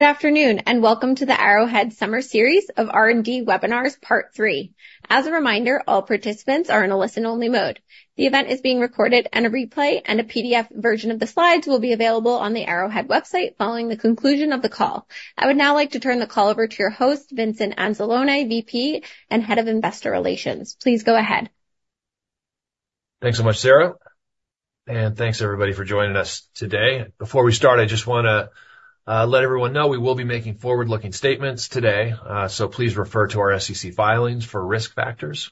Good afternoon, and welcome to the Arrowhead Summer Series of R&D Webinars, Part 3. As a reminder, all participants are in a listen-only mode. The event is being recorded, and a replay and a PDF version of the slides will be available on the Arrowhead website following the conclusion of the call. I would now like to turn the call over to your host, Vincent Anzalone, VP and Head of Investor Relations. Please go ahead. Thanks so much, Sarah, and thanks, everybody, for joining us today. Before we start, I just wanna let everyone know we will be making forward-looking statements today, so please refer to our SEC filings for risk factors.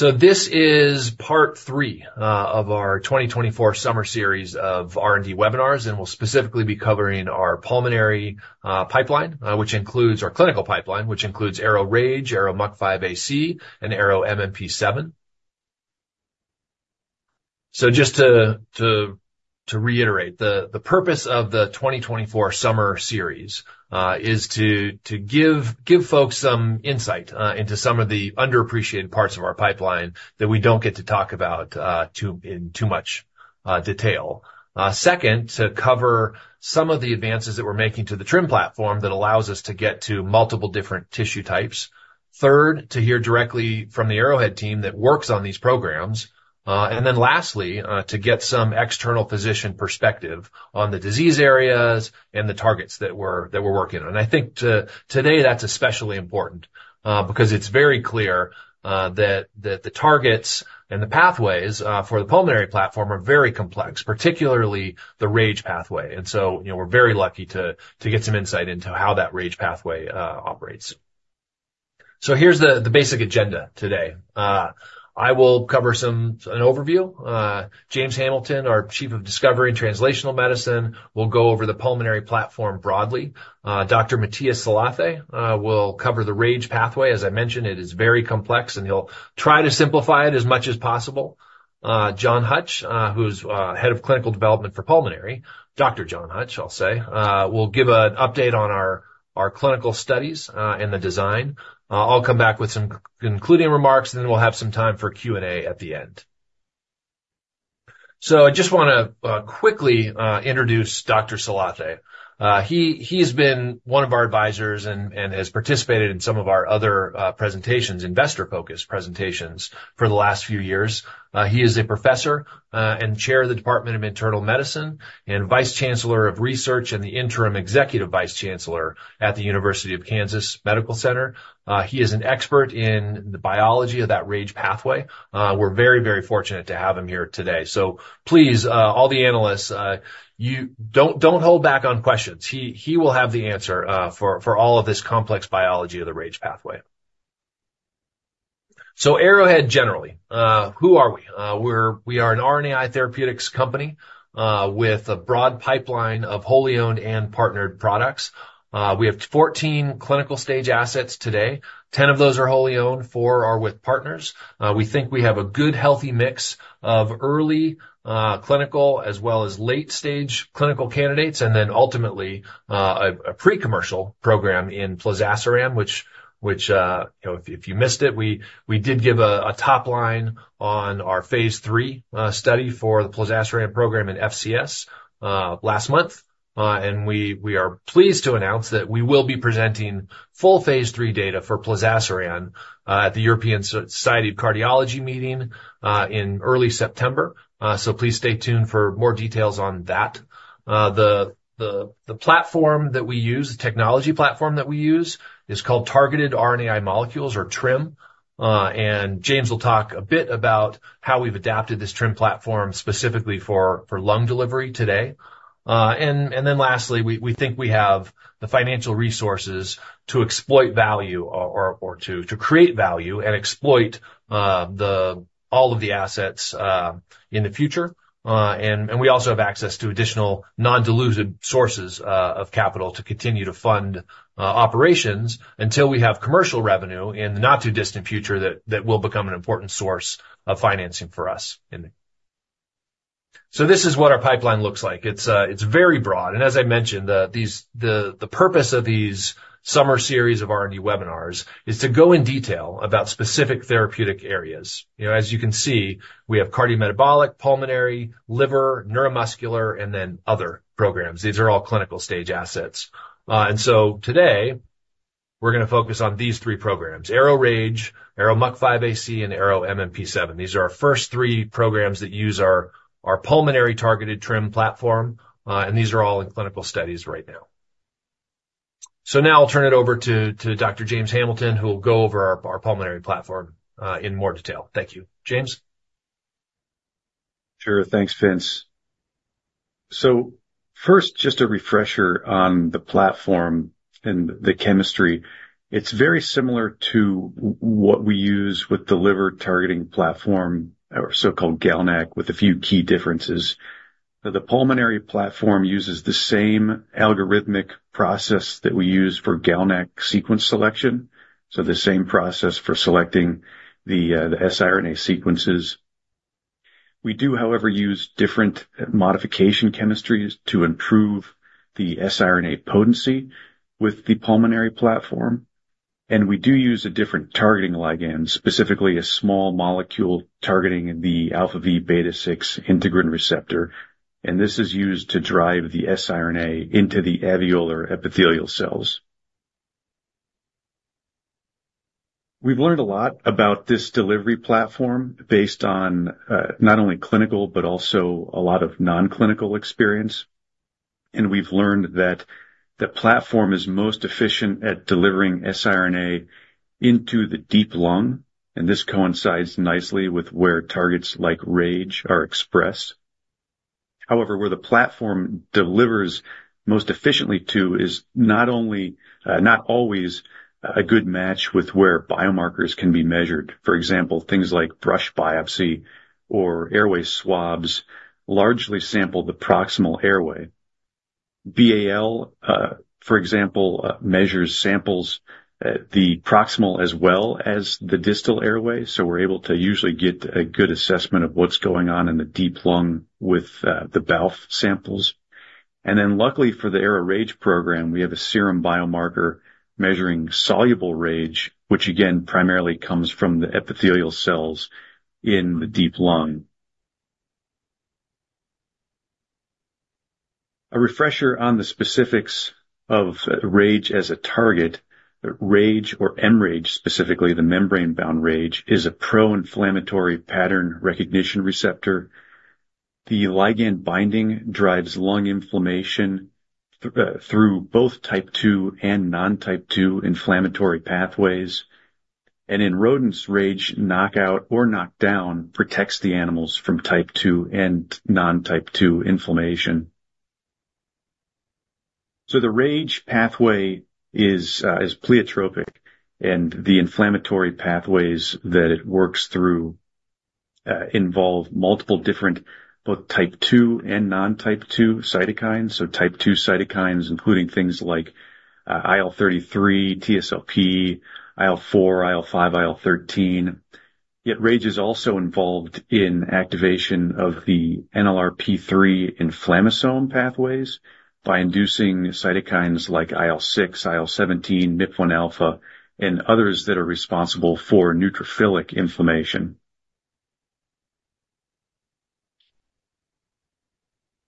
This is Part 3 of our 2024 Summer Series of R&D webinars, and we'll specifically be covering our pulmonary pipeline, which includes our clinical pipeline, which includes ARO-RAGE, ARO-MUC5AC, and ARO-MMP7. Just to reiterate, the purpose of the 2024 Summer Series is to give folks some insight into some of the underappreciated parts of our pipeline that we don't get to talk about too, in too much detail. Second, to cover some of the advances that we're making to the TRIM platform that allows us to get to multiple different tissue types. Third, to hear directly from the Arrowhead team that works on these programs. And then lastly, to get some external physician perspective on the disease areas and the targets that we're, that we're working on. I think today, that's especially important, because it's very clear, that the targets and the pathways, for the pulmonary platform are very complex, particularly the RAGE pathway. And so, you know, we're very lucky to get some insight into how that RAGE pathway operates. So here's the basic agenda today. I will cover some... an overview. James Hamilton, our Chief of Discovery and Translational Medicine, will go over the pulmonary platform broadly. Dr. Matthias Salathe will cover the RAGE pathway. As I mentioned, it is very complex, and he'll try to simplify it as much as possible. John Huetsch, who's Head of Clinical Development for Pulmonary, Dr. John Huetsch, I'll say, will give an update on our clinical studies and the design. I'll come back with some concluding remarks, and then we'll have some time for Q&A at the end. So I just wanna quickly introduce Dr. Salathe. He has been one of our advisors and has participated in some of our other presentations, investor-focused presentations for the last few years. He is a professor and Chair of the Department of Internal Medicine and Vice Chancellor of Research and the Interim Executive Vice Chancellor at the University of Kansas Medical Center. He is an expert in the biology of that RAGE pathway. We're very, very fortunate to have him here today. So please, all the analysts, you... Don't hold back on questions. He will have the answer for all of this complex biology of the RAGE pathway. So Arrowhead, generally, who are we? We are an RNAi therapeutics company with a broad pipeline of wholly owned and partnered products. We have 14 clinical-stage assets today. 10 of those are wholly owned, four are with partners. We think we have a good, healthy mix of early clinical as well as late-stage clinical candidates, and then ultimately a pre-commercial program in plozasiran, which, you know, if you missed it, we did give a top line on our phase III study for the plozasiran program in FCS last month. And we are pleased to announce that we will be presenting full phase III data for plozasiran at the European Society of Cardiology meeting in early September. So please stay tuned for more details on that. The platform that we use, the technology platform that we use is called Targeted RNAi Molecules, or TRIM. And James will talk a bit about how we've adapted this TRIM platform specifically for lung delivery today. And then lastly, we think we have the financial resources to exploit value or to create value and exploit all of the assets in the future. And we also have access to additional non-dilutive sources of capital to continue to fund operations until we have commercial revenue in the not-too-distant future, that will become an important source of financing for us. So this is what our pipeline looks like. It's very broad, and as I mentioned, the purpose of these summer series of R&D webinars is to go in detail about specific therapeutic areas. You know, as you can see, we have cardiometabolic, pulmonary, liver, neuromuscular, and then other programs. These are all clinical stage assets. And so today, we're gonna focus on these three programs: ARO-RAGE, ARO-MUC5AC, and ARO-MMP7. These are our first three programs that use our pulmonary-targeted TRIM platform, and these are all in clinical studies right now. So now I'll turn it over to Dr. James Hamilton, who will go over our pulmonary platform in more detail. Thank you. James? Sure. Thanks, Vince. So first, just a refresher on the platform and the chemistry. It's very similar to what we use with the liver-targeting platform or so-called GalNAc, with a few key differences. The pulmonary platform uses the same algorithmic process that we use for GalNAc sequence selection, so the same process for selecting the siRNA sequences. We do, however, use different modification chemistries to improve the siRNA potency with the pulmonary platform. We do use a different targeting ligand, specifically a small molecule targeting the alpha-v beta-6 integrin receptor, and this is used to drive the siRNA into the alveolar epithelial cells. We've learned a lot about this delivery platform based on, not only clinical, but also a lot of non-clinical experience, and we've learned that the platform is most efficient at delivering siRNA into the deep lung, and this coincides nicely with where targets like RAGE are expressed. However, where the platform delivers most efficiently to is not only, not always a good match with where biomarkers can be measured. For example, things like brush biopsy or airway swabs largely sample the proximal airway. BAL, for example, measures samples, the proximal as well as the distal airway, so we're able to usually get a good assessment of what's going on in the deep lung with, the BALF samples. And then, luckily for the ARO-RAGE program, we have a serum biomarker measuring soluble RAGE, which again, primarily comes from the epithelial cells in the deep lung. A refresher on the specifics of RAGE as a target. RAGE or mRAGE, specifically, the membrane-bound RAGE, is a pro-inflammatory pattern recognition receptor. The ligand binding drives lung inflammation through both Type 2 and non-Type 2 inflammatory pathways, and in rodents, RAGE knockout or knockdown protects the animals from Type 2 and non-Type 2 inflammation. So the RAGE pathway is, is pleiotropic, and the inflammatory pathways that it works through, involve multiple different, both Type 2 and non-Type 2 cytokines. Type 2 cytokines, including things like IL-33, TSLP, IL-4, IL-5, IL-13. Yet RAGE is also involved in activation of the NLRP3 inflammasome pathways by inducing cytokines like IL-6, IL-17, MIP-1 alpha, and others that are responsible for neutrophilic inflammation.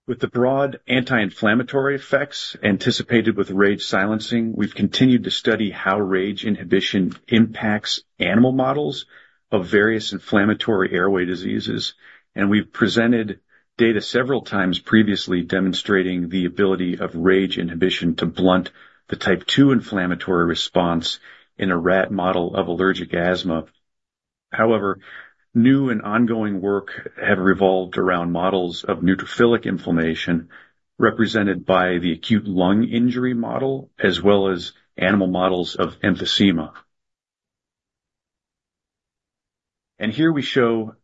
With the broad anti-inflammatory effects anticipated with RAGE silencing, we've continued to study how RAGE inhibition impacts animal models of various inflammatory airway diseases, and we've presented data several times previously, demonstrating the ability of RAGE inhibition to blunt the Type 2 inflammatory response in a rat model of allergic asthma. However, new and ongoing work have revolved around models of neutrophilic inflammation, represented by the acute lung injury model, as well as animal models of emphysema. Here we show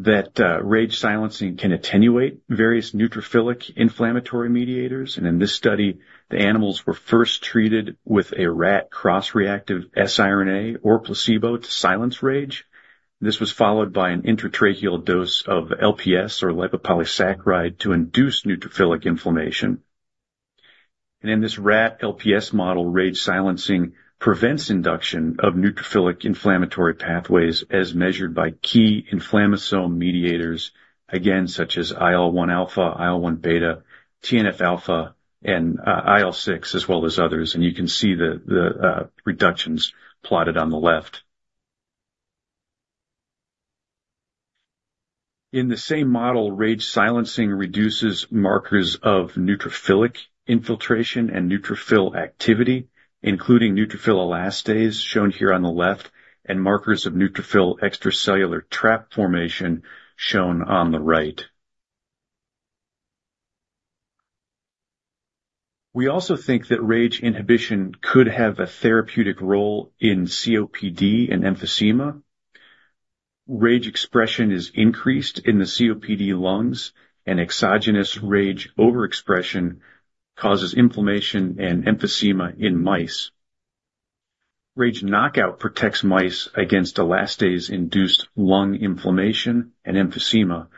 that RAGE silencing can attenuate various neutrophilic inflammatory mediators, and in this study, the animals were first treated with a rat cross-reactive siRNA or placebo to silence RAGE. This was followed by an intratracheal dose of LPS or lipopolysaccharide to induce neutrophilic inflammation. In this rat LPS model, RAGE silencing prevents induction of neutrophilic inflammatory pathways as measured by key inflammasome mediators, again, such as IL-1 alpha, IL-1 beta, TNF-alpha, and IL-6, as well as others, and you can see the reductions plotted on the left. In the same model, RAGE silencing reduces markers of neutrophilic infiltration and neutrophil activity, including neutrophil elastase, shown here on the left, and markers of neutrophil extracellular trap formation, shown on the right. We also think that RAGE inhibition could have a therapeutic role in COPD and emphysema. RAGE expression is increased in the COPD lungs, and exogenous RAGE overexpression causes inflammation and emphysema in mice. RAGE knockout protects mice against elastase-induced lung inflammation and emphysema,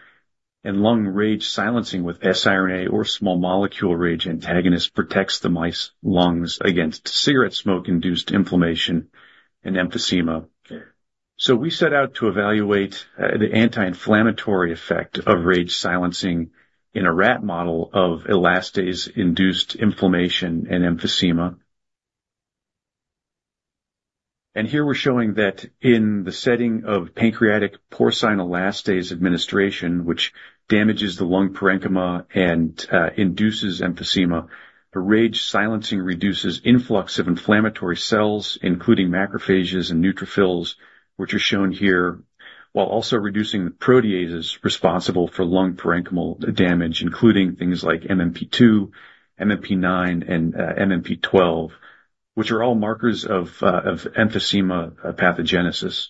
and lung RAGE silencing with siRNA or small molecule RAGE antagonist protects the mice lungs against cigarette smoke-induced inflammation and emphysema. So we set out to evaluate the anti-inflammatory effect of RAGE silencing in a rat model of elastase-induced inflammation and emphysema. And here we're showing that in the setting of pancreatic porcine elastase administration, which damages the lung parenchyma and induces emphysema, the RAGE silencing reduces influx of inflammatory cells, including macrophages and neutrophils, which are shown here, while also reducing the proteases responsible for lung parenchymal damage, including things like MMP-2, MMP-9, and MMP-12, which are all markers of emphysema pathogenesis.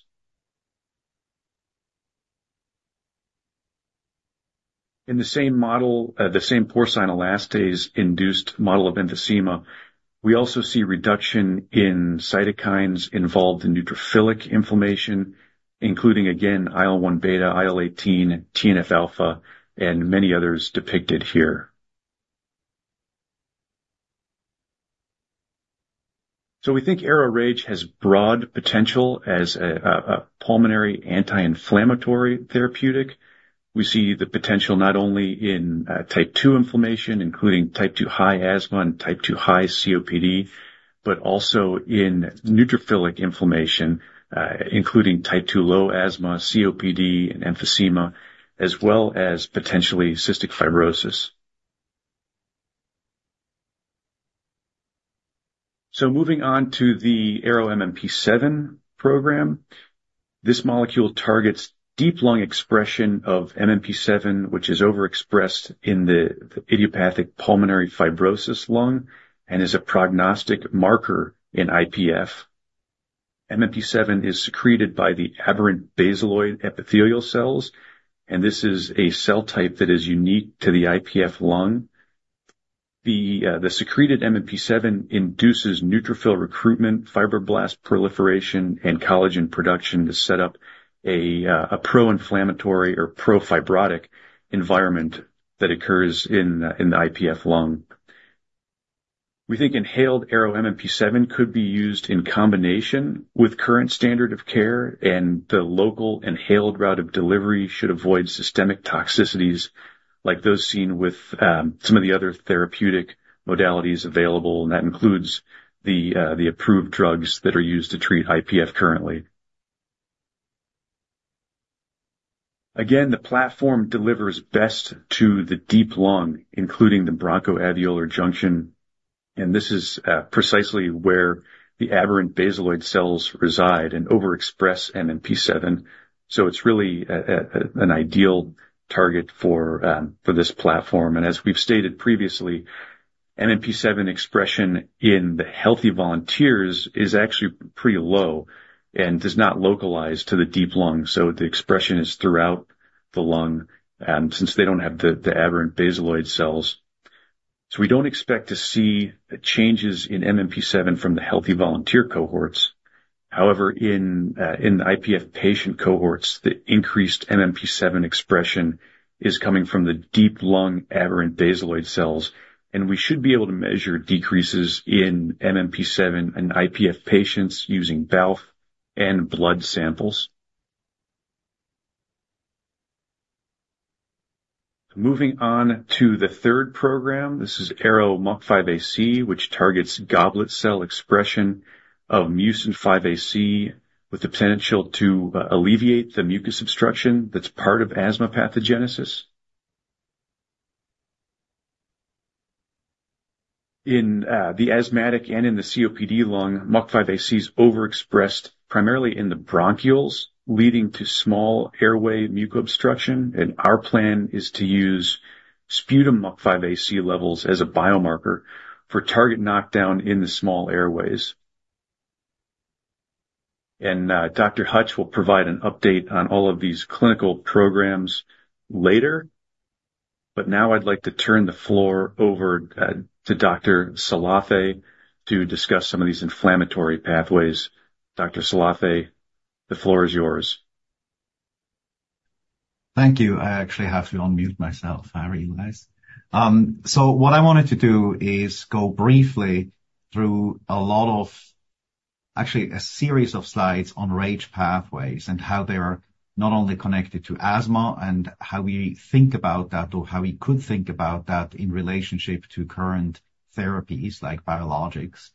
In the same model, the same porcine elastase-induced model of emphysema, we also see reduction in cytokines involved in neutrophilic inflammation, including, again, IL-1 beta, IL-18, TNF-alpha, and many others depicted here. So we think ARO-RAGE has broad potential as a pulmonary anti-inflammatory therapeutic. We see the potential not only in Type 2 inflammation, including Type 2 high asthma and Type 2 high COPD, but also in neutrophilic inflammation, including Type 2 low asthma, COPD, and emphysema, as well as potentially cystic fibrosis. So moving on to the ARO-MMP7 program. This molecule targets deep lung expression of MMP-7, which is overexpressed in the idiopathic pulmonary fibrosis lung and is a prognostic marker in IPF. MMP-7 is secreted by the aberrant basaloid epithelial cells, and this is a cell type that is unique to the IPF lung. The secreted MMP-7 induces neutrophil recruitment, fibroblast proliferation, and collagen production to set up a pro-inflammatory or pro-fibrotic environment that occurs in the IPF lung. We think inhaled ARO-MMP7 could be used in combination with current standard of care, and the local inhaled route of delivery should avoid systemic toxicities like those seen with some of the other therapeutic modalities available, and that includes the approved drugs that are used to treat IPF currently. Again, the platform delivers best to the deep lung, including the bronchoalveolar junction, and this is precisely where the aberrant basaloid cells reside and overexpress MMP-7. So it's really an ideal target for this platform. And as we've stated previously, MMP-7 expression in the healthy volunteers is actually pretty low and does not localize to the deep lung. So the expression is throughout the lung, since they don't have the aberrant basaloid cells. So we don't expect to see changes in MMP-7 from the healthy volunteer cohorts. However, in the IPF patient cohorts, the increased MMP-7 expression is coming from the deep lung aberrant basaloid cells, and we should be able to measure decreases in MMP-7 in IPF patients using BALF and blood samples. Moving on to the third program, this is ARO-MUC5AC, which targets goblet cell expression of MUC5AC, with the potential to alleviate the mucus obstruction that's part of asthma pathogenesis. In the asthmatic and in the COPD lung, MUC5AC is overexpressed primarily in the bronchioles, leading to small airway mucus obstruction, and our plan is to use sputum MUC5AC levels as a biomarker for target knockdown in the small airways. And, Dr. Huetsch will provide an update on all of these clinical programs later. But now I'd like to turn the floor over to Dr. Salathe, to discuss some of these inflammatory pathways. Dr. Salathe, the floor is yours. Thank you. I actually have to unmute myself, I realize. So what I wanted to do is go briefly through a lot of... actually, a series of slides on RAGE pathways and how they are not only connected to asthma and how we think about that, or how we could think about that in relationship to current therapies like biologics,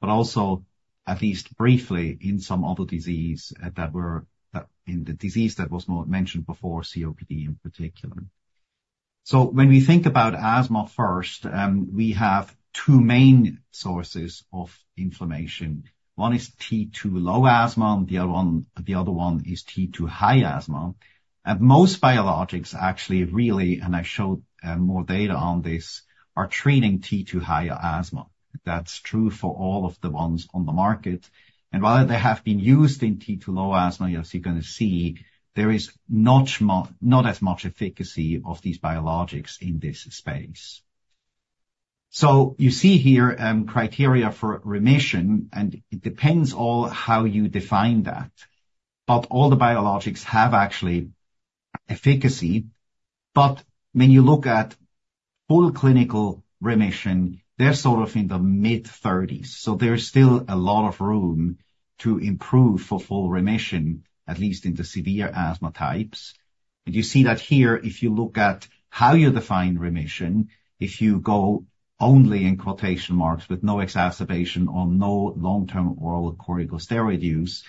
but also at least briefly, in some other disease, that were, that in the disease that was not mentioned before, COPD in particular. So when we think about asthma first, we have two main sources of inflammation. One is T2 low asthma, and the other one, the other one is T2 high asthma. And most biologics actually, really, and I showed, more data on this, are treating T2 higher asthma. That's true for all of the ones on the market. While they have been used in T2 low asthma, as you're gonna see, there is not as much efficacy of these biologics in this space. So you see here, criteria for remission, and it depends on how you define that. But all the biologics have actually efficacy. But when you look at full clinical remission, they're sort of in the mid-30s, so there is still a lot of room to improve for full remission, at least in the severe asthma types. You see that here, if you look at how you define remission, if you go only in quotation marks with no exacerbation or no long-term oral corticosteroid use,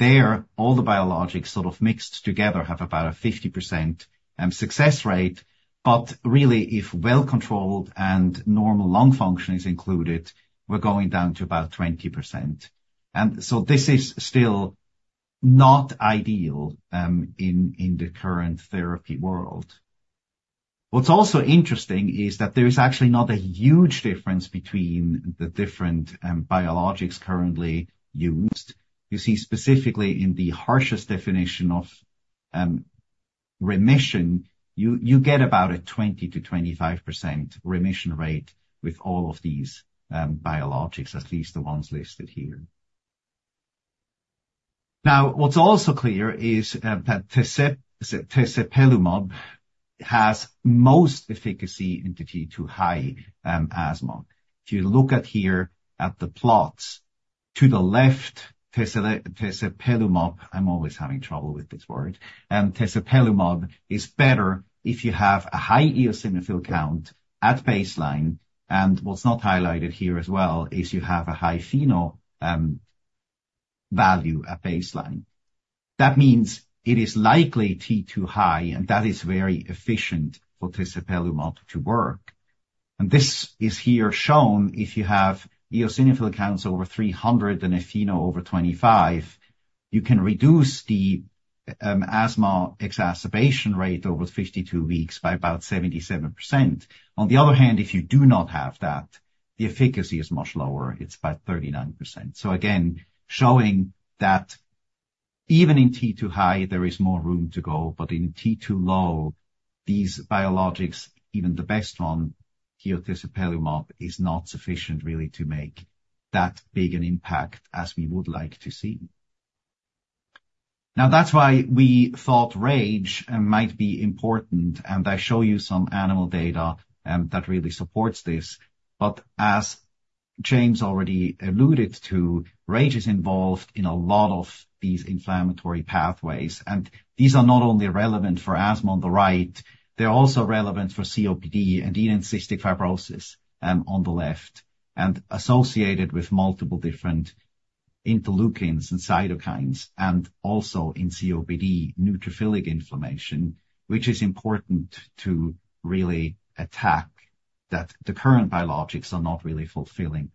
there, all the biologics sort of mixed together have about a 50% success rate. But really, if well-controlled and normal lung function is included, we're going down to about 20%. This is still not ideal in the current therapy world. What's also interesting is that there is actually not a huge difference between the different biologics currently used. You see, specifically in the harshest definition of remission, you get about 20%-25% remission rate with all of these biologics, at least the ones listed here. Now, what's also clear is that tezepelumab has most efficacy in T2 high asthma. If you look here at the plots to the left, tezepelumab, I'm always having trouble with this word. tezepelumab is better if you have a high eosinophil count at baseline, and what's not highlighted here as well is you have a high FeNO value at baseline. That means it is likely T2 high, and that is very efficient for tezepelumab to work. This is here shown if you have eosinophil counts over 300 and a FeNO over 25, you can reduce the asthma exacerbation rate over 52 weeks by about 77%. On the other hand, if you do not have that, the efficacy is much lower, it's about 39%. So again, showing that even in T2 high, there is more room to go, but in T2 low, these biologics, even the best one, here tezepelumab, is not sufficient really to make that big an impact as we would like to see. Now, that's why we thought RAGE might be important, and I show you some animal data that really supports this. But as James already alluded to, RAGE is involved in a lot of these inflammatory pathways, and these are not only relevant for asthma on the right, they're also relevant for COPD and even cystic fibrosis, on the left, and associated with multiple different interleukins and cytokines, and also in COPD neutrophilic inflammation, which is important to really attack that the current biologics are not really fulfilling.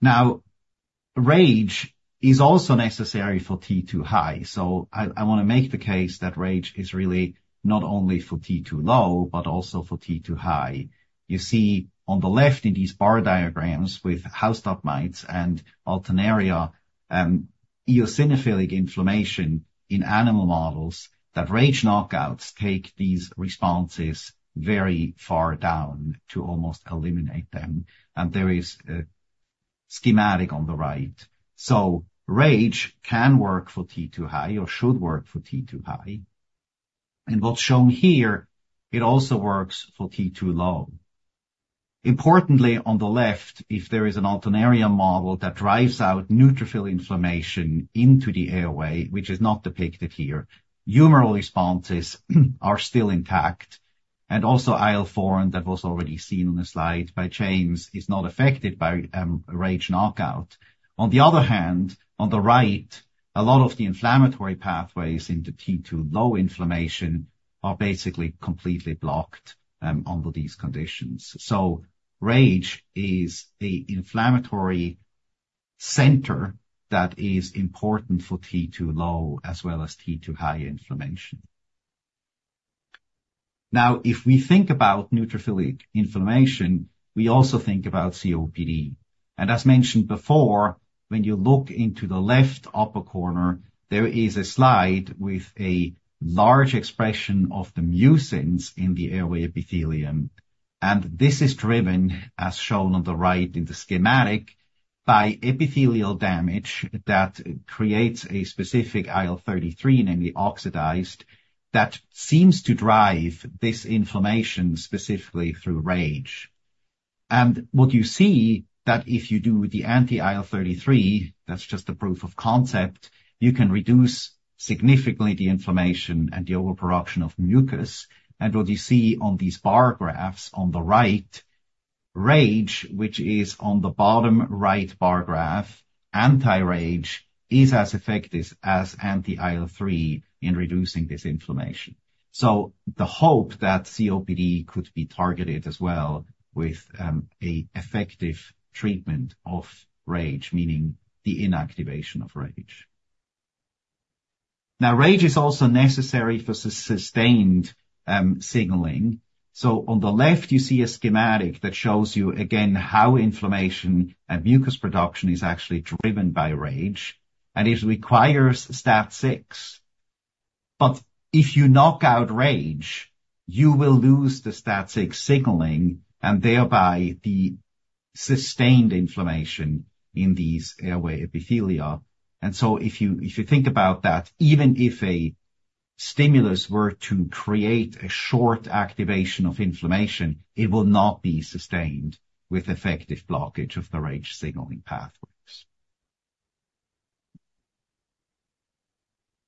Now, RAGE is also necessary for T2 high. So I, I want to make the case that RAGE is really not only for T2 low, but also for T2 high. You see, on the left in these bar diagrams with house dust mites and Alternaria, eosinophilic inflammation in animal models that RAGE knockouts take these responses very far down to almost eliminate them. And there is a schematic on the right. So RAGE can work for T2 high or should work for T2 high. And what's shown here, it also works for T2 low. Importantly, on the left, if there is an Alternaria model that drives out neutrophil inflammation into the airway, which is not depicted here, humoral responses are still intact, and also IL-4 that was already seen on the slide by James, is not affected by RAGE knockout. On the other hand, on the right, a lot of the inflammatory pathways into T2 low inflammation are basically completely blocked under these conditions. So RAGE is the inflammatory center that is important for T2 low as well as T2 high inflammation. Now, if we think about neutrophilic inflammation, we also think about COPD. As mentioned before, when you look into the left upper corner, there is a slide with a large expression of the mucins in the airway epithelium. This is driven, as shown on the right in the schematic, by epithelial damage that creates a specific IL-33, namely oxidized, that seems to drive this inflammation specifically through RAGE. What you see is that if you do the anti-IL-33, that's just a proof of concept, you can reduce significantly the inflammation and the overproduction of mucus. What you see on these bar graphs on the right, RAGE, which is on the bottom right bar graph, anti-RAGE, is as effective as anti-IL-3 in reducing this inflammation. So the hope that COPD could be targeted as well with an effective treatment of RAGE, meaning the inactivation of RAGE. Now, RAGE is also necessary for sustained signaling. So on the left, you see a schematic that shows you again how inflammation and mucus production is actually driven by RAGE, and it requires STAT6. But if you knock out RAGE, you will lose the STAT6 signaling and thereby the sustained inflammation in these airway epithelia. And so if you think about that, even if a stimulus were to create a short activation of inflammation, it will not be sustained with effective blockage of the RAGE signaling pathways.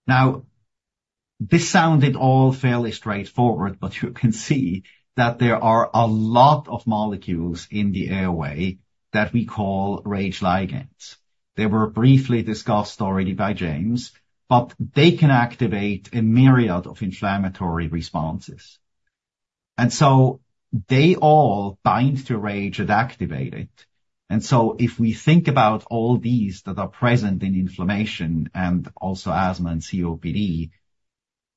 Now, this sounded all fairly straightforward, but you can see that there are a lot of molecules in the airway that we call RAGE ligands. They were briefly discussed already by James, but they can activate a myriad of inflammatory responses. And so they all bind to RAGE and activate it. And so if we think about all these that are present in inflammation and also asthma and COPD,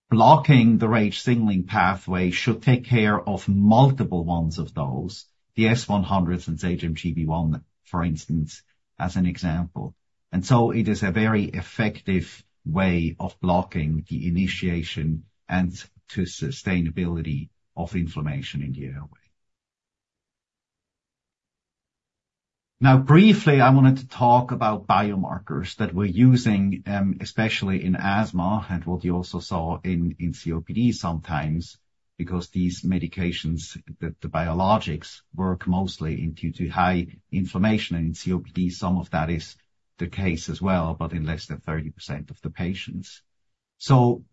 blocking the RAGE signaling pathway should take care of multiple ones of those, the S100s and HMGB1, for instance, as an example. And so it is a very effective way of blocking the initiation and to sustainability of inflammation in the airway. Now, briefly, I wanted to talk about biomarkers that we're using, especially in asthma and what you also saw in COPD sometimes, because these medications that the biologics work mostly in T2 high inflammation, and in COPD, some of that is the case as well, but in less than 30% of the patients. So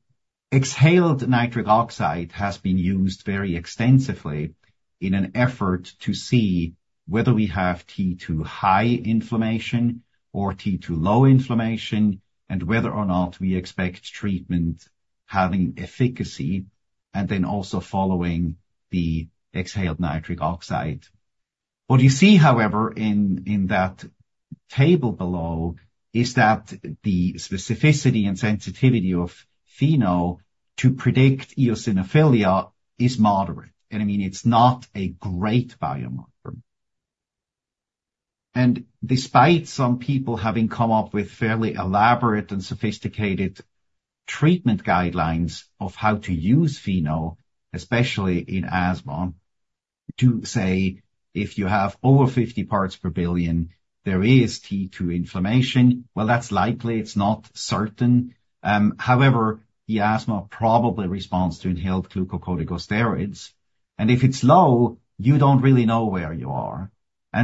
exhaled nitric oxide has been used very extensively in an effort to see whether we have T2 high inflammation or T2 low inflammation, and whether or not we expect treatment having efficacy, and then also following the exhaled nitric oxide. What you see, however, in that table below, is that the specificity and sensitivity of FeNO to predict eosinophilia is moderate, and I mean, it's not a great biomarker. And despite some people having come up with fairly elaborate and sophisticated treatment guidelines of how to use FeNO, especially in asthma, to say, if you have over 50 parts per billion, there is T2 inflammation, well, that's likely, it's not certain. However, the asthma probably responds to inhaled glucocorticosteroids, and if it's low, you don't really know where you are.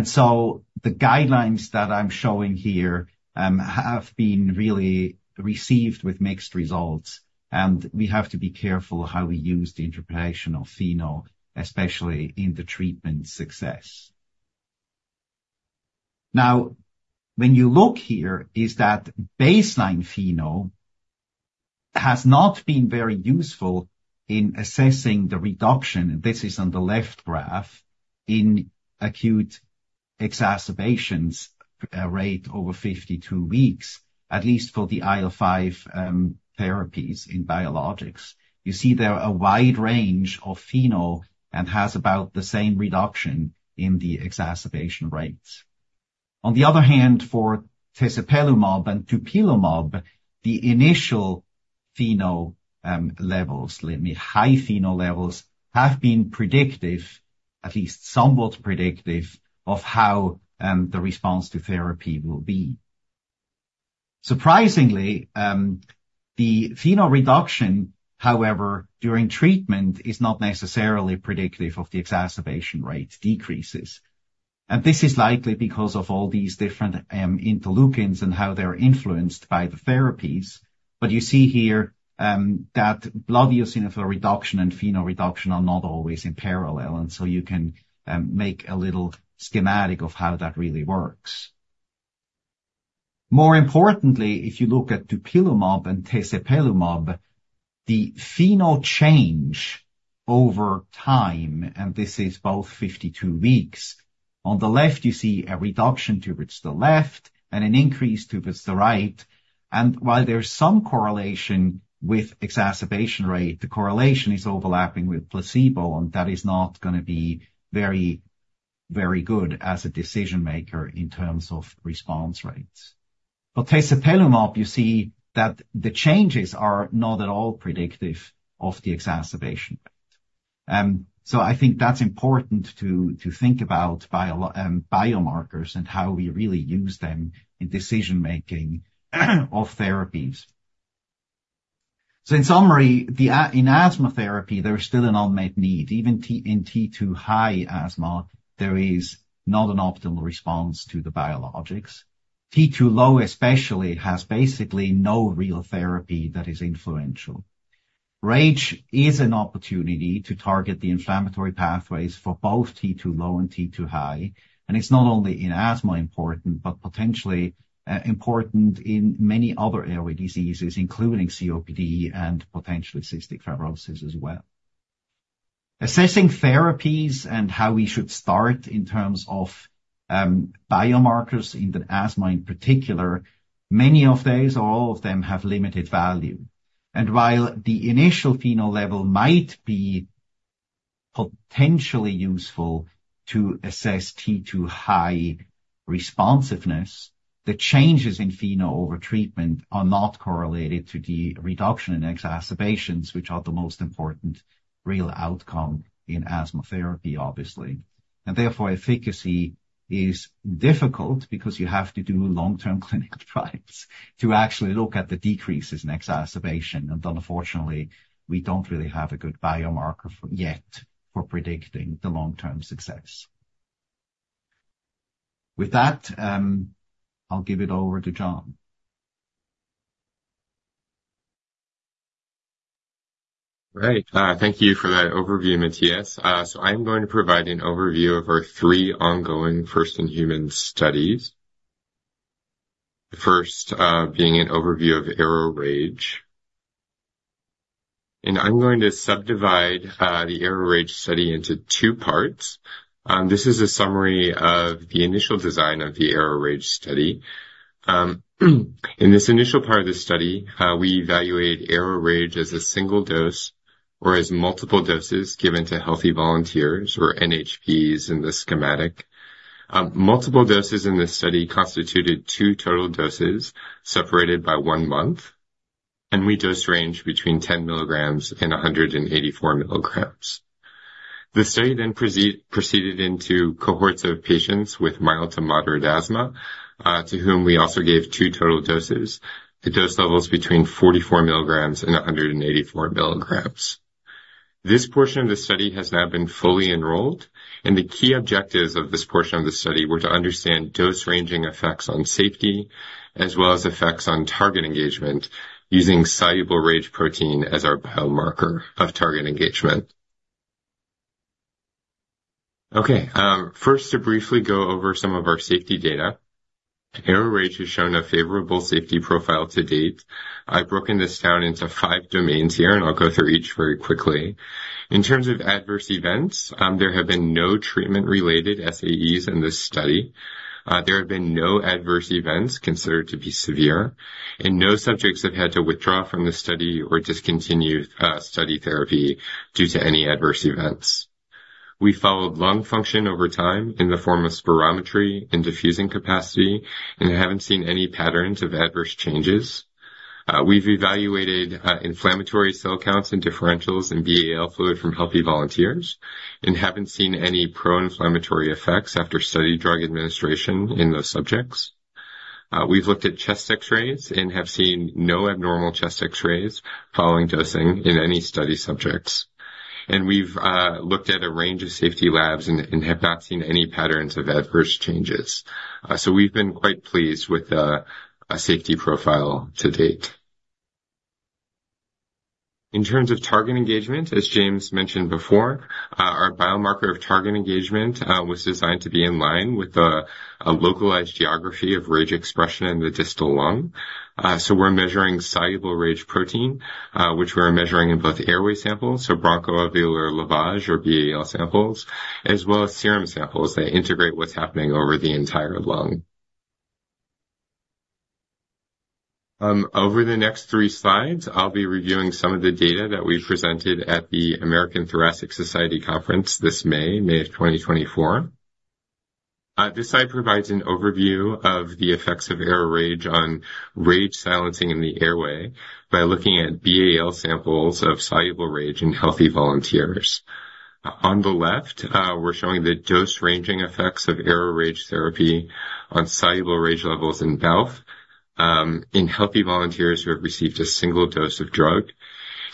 So the guidelines that I'm showing here have been really received with mixed results, and we have to be careful how we use the interpretation of FeNO, especially in the treatment success. Now, when you look here, is that baseline FeNO has not been very useful in assessing the reduction, this is on the left graph, in acute exacerbations rate over 52 weeks, at least for the IL-5 therapies in biologics. You see there a wide range of FeNO and has about the same reduction in the exacerbation rates. On the other hand, for tezepelumab and dupilumab, the initial FeNO levels. High FeNO levels have been predictive, at least somewhat predictive, of how the response to therapy will be. Surprisingly, the FeNO reduction, however, during treatment, is not necessarily predictive of the exacerbation rate decreases. And this is likely because of all these different interleukins and how they're influenced by the therapies. But you see here that blood eosinophil reduction and FeNO reduction are not always in parallel, and so you can make a little schematic of how that really works. More importantly, if you look at dupilumab and tezepelumab, the FeNO change over time, and this is both 52 weeks. On the left, you see a reduction towards the left and an increase towards the right, and while there's some correlation with exacerbation rate, the correlation is overlapping with placebo, and that is not gonna be very, very good as a decision maker in terms of response rates. For tezepelumab, you see that the changes are not at all predictive of the exacerbation rate. So I think that's important to think about biomarkers and how we really use them in decision-making of therapies. So in summary, in asthma therapy, there is still an unmet need. Even in T2 high asthma, there is not an optimal response to the biologics. T2 low, especially, has basically no real therapy that is influential. RAGE is an opportunity to target the inflammatory pathways for both T2 low and T2 high, and it's not only in asthma important, but potentially important in many other airway diseases, including COPD and potentially cystic fibrosis as well. Assessing therapies and how we should start in terms of biomarkers in the asthma, in particular, many of those or all of them have limited value. And while the initial FeNO level might be potentially useful to assess T2 high responsiveness, the changes in FeNO over treatment are not correlated to the reduction in exacerbations, which are the most important real outcome in asthma therapy, obviously. And therefore, efficacy is difficult because you have to do long-term clinical trials to actually look at the decreases in exacerbation. And unfortunately, we don't really have a good biomarker yet for predicting the long-term success. With that, I'll give it over to John. Great. Thank you for that overview, Matthias. So I'm going to provide an overview of our three ongoing first-in-human studies. The first being an overview of ARO-RAGE. And I'm going to subdivide the ARO-RAGE study into two parts. This is a summary of the initial design of the ARO-RAGE study. In this initial part of the study, we evaluate ARO-RAGE as a single dose or as multiple doses given to healthy volunteers or NHPs in this schematic. Multiple doses in this study constituted two total doses, separated by one month. And we dose range between 10 mg and 184 mg. The study then proceeded into cohorts of patients with mild to moderate asthma, to whom we also gave two total doses. The dose levels between 44 mg and 184mg. This portion of the study has now been fully enrolled, and the key objectives of this portion of the study were to understand dose-ranging effects on safety, as well as effects on target engagement, using soluble RAGE protein as our biomarker of target engagement. Okay, first, to briefly go over some of our safety data. ARO-RAGE has shown a favorable safety profile to date. I've broken this down into five domains here, and I'll go through each very quickly. In terms of adverse events, there have been no treatment-related SAEs in this study. There have been no adverse events considered to be severe, and no subjects have had to withdraw from the study or discontinue study therapy due to any adverse events. We followed lung function over time in the form of spirometry and diffusing capacity and haven't seen any patterns of adverse changes. We've evaluated inflammatory cell counts and differentials in BAL fluid from healthy volunteers and haven't seen any pro-inflammatory effects after study drug administration in those subjects. We've looked at chest X-rays and have seen no abnormal chest X-rays following dosing in any study subjects. We've looked at a range of safety labs and have not seen any patterns of adverse changes. So we've been quite pleased with the safety profile to date. In terms of target engagement, as James mentioned before, our biomarker of target engagement was designed to be in line with a localized geography of RAGE expression in the distal lung. So we're measuring soluble RAGE protein, which we're measuring in both airway samples, so bronchoalveolar lavage or BAL samples, as well as serum samples that integrate what's happening over the entire lung. Over the next three slides, I'll be reviewing some of the data that we presented at the American Thoracic Society conference this May of 2024. This slide provides an overview of the effects of ARO-RAGE on RAGE silencing in the airway by looking at BAL samples of soluble RAGE in healthy volunteers. On the left, we're showing the dose-ranging effects of ARO-RAGE therapy on soluble RAGE levels in BALF in healthy volunteers who have received a single dose of drug.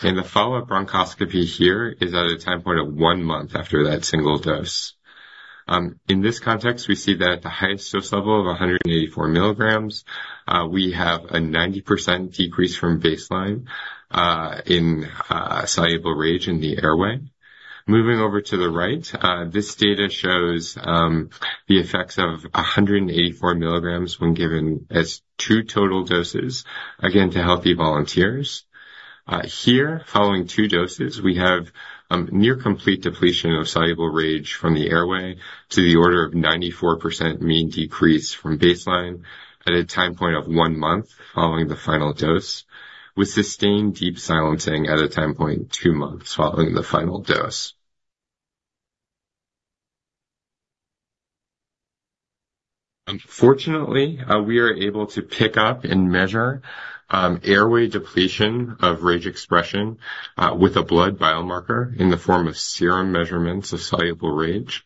The follow-up bronchoscopy here is at a time point of one month after that single dose. In this context, we see that at the highest dose level of 184 mg, we have a 90% decrease from baseline in soluble RAGE in the airway. Moving over to the right, this data shows the effects of 184 mg when given as two total doses, again, to healthy volunteers. Here, following two doses, we have near complete depletion of soluble RAGE from the airway to the order of 94% mean decrease from baseline at a time point of one month following the final dose, with sustained deep silencing at a time point two months following the final dose. Unfortunately, we are able to pick up and measure airway depletion of RAGE expression with a blood biomarker in the form of serum measurements of soluble RAGE.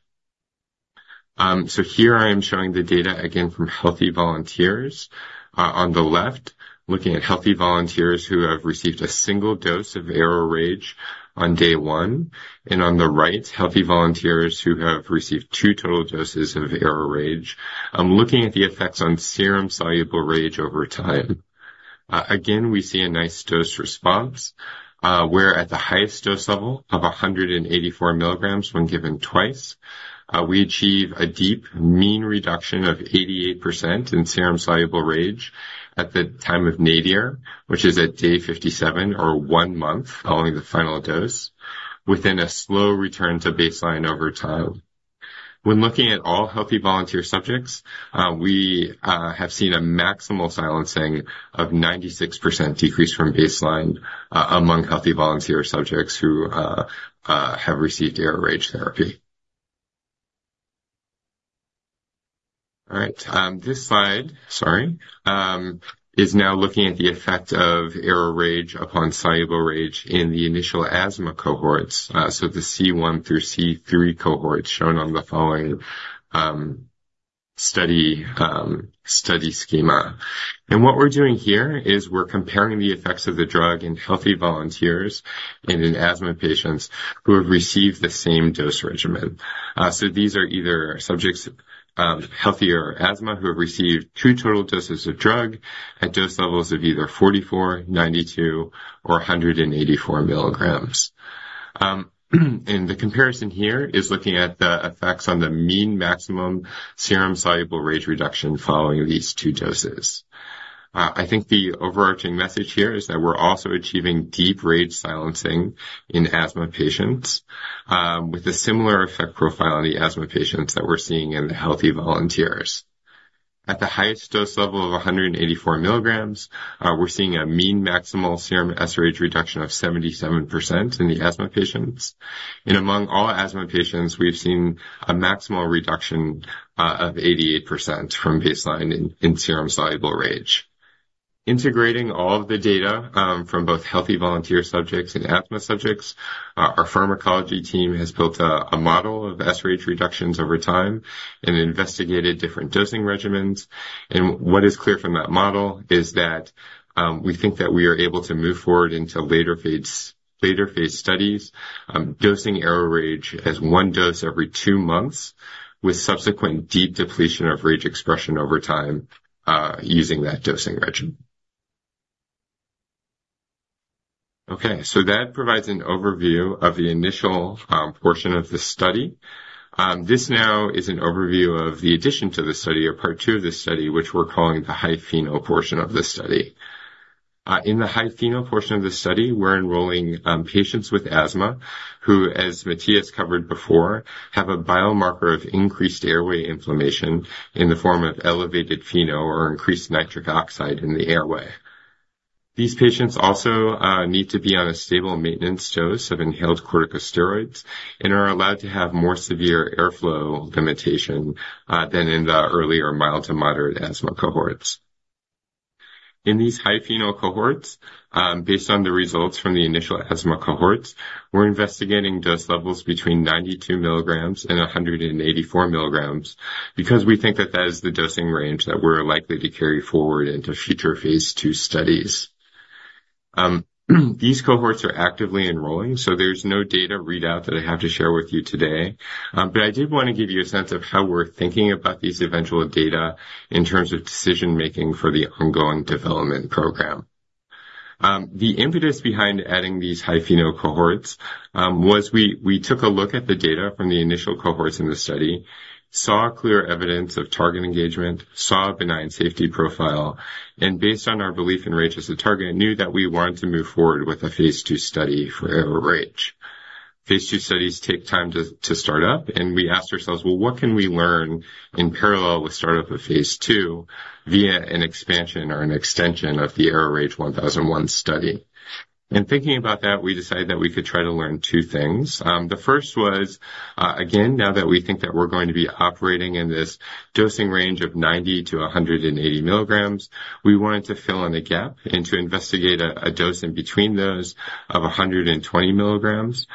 So here I am showing the data again from healthy volunteers. On the left, looking at healthy volunteers who have received a single dose of ARO-RAGE on day one, and on the right, healthy volunteers who have received two total doses of ARO-RAGE. I'm looking at the effects on serum soluble RAGE over time. Again, we see a nice dose response, where at the highest dose level of 184 mg when given twice, we achieve a deep mean reduction of 88% in serum soluble RAGE at the time of nadir, which is at day 57 or one month following the final dose, with a slow return to baseline over time. When looking at all healthy volunteer subjects, we have seen a maximal silencing of 96% decrease from baseline among healthy volunteer subjects who have received ARO-RAGE therapy. All right, this slide... Sorry. is now looking at the effect of ARO-RAGE upon soluble RAGE in the initial asthma cohorts. The C1 through C3 cohorts shown on the following study schema. What we're doing here is we're comparing the effects of the drug in healthy volunteers and in asthma patients who have received the same dose regimen. These are either subjects, healthy or asthma, who have received two total doses of drug at dose levels of either 44 mg, 92 mg or 184 mg. The comparison here is looking at the effects on the mean maximum serum soluble RAGE reduction following these two doses. I think the overarching message here is that we're also achieving deep RAGE silencing in asthma patients, with a similar effect profile on the asthma patients that we're seeing in the healthy volunteers. At the highest dose level of 184 mg, we're seeing a mean maximal serum sRAGE reduction of 77% in the asthma patients. And among all asthma patients, we've seen a maximal reduction of 88% from baseline in serum soluble RAGE. Integrating all of the data from both healthy volunteer subjects and asthma subjects, our pharmacology team has built a model of sRAGE reductions over time and investigated different dosing regimens. And what is clear from that model is that we think that we are able to move forward into later phase studies, dosing ARO-RAGE as one dose every two months, with subsequent deep depletion of RAGE expression over time using that dosing regimen. Okay, so that provides an overview of the initial portion of the study. This now is an overview of the addition to the study or part two of this study, which we're calling the high FeNO portion of the study. In the high FeNO portion of the study, we're enrolling patients with asthma, who, as Matthias covered before, have a biomarker of increased airway inflammation in the form of elevated FeNO or increased nitric oxide in the airway. These patients also need to be on a stable maintenance dose of inhaled corticosteroids and are allowed to have more severe airflow limitation than in the earlier mild to moderate asthma cohorts. In these high FeNO cohorts, based on the results from the initial asthma cohorts, we're investigating dose levels between 92 mg and 184 mg, because we think that is the dosing range that we're likely to carry forward into future phase II studies. These cohorts are actively enrolling, so there's no data readout that I have to share with you today. But I did want to give you a sense of how we're thinking about these eventual data in terms of decision-making for the ongoing development program. The impetus behind adding these high FeNO cohorts was we took a look at the data from the initial cohorts in the study, saw clear evidence of target engagement, saw a benign safety profile, and based on our belief in RAGE as a target, knew that we wanted to move forward with a phase II study for ARO-RAGE. Phase II studies take time to start up, and we asked ourselves: Well, what can we learn in parallel with start up of phase II via an expansion or an extension of the ARO-RAGE 1001 study? And thinking about that, we decided that we could try to learn two things. The first was, again, now that we think that we're going to be operating in this dosing range of 90 mg-180 mg, we wanted to fill in a gap and to investigate a, a dose in between those of 120 mg.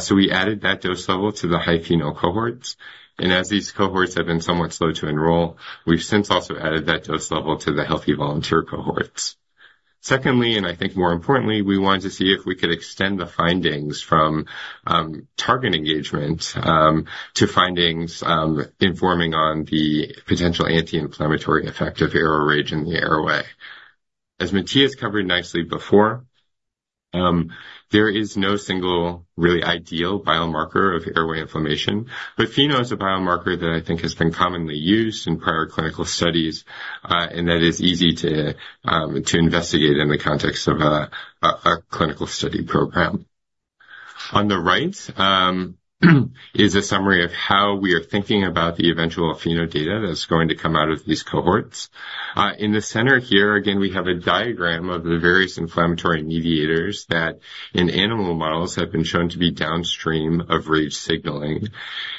So we added that dose level to the high FeNO cohorts, and as these cohorts have been somewhat slow to enroll, we've since also added that dose level to the healthy volunteer cohorts. Secondly, and I think more importantly, we wanted to see if we could extend the findings from target engagement to findings informing on the potential anti-inflammatory effect of ARO-RAGE in the airway. As Matthias covered nicely before, there is no single really ideal biomarker of airway inflammation, but FeNO is a biomarker that I think has been commonly used in prior clinical studies, and that is easy to investigate in the context of a clinical study program. On the right is a summary of how we are thinking about the eventual FeNO data that's going to come out of these cohorts. In the center here, again, we have a diagram of the various inflammatory mediators that in animal models have been shown to be downstream of RAGE signaling.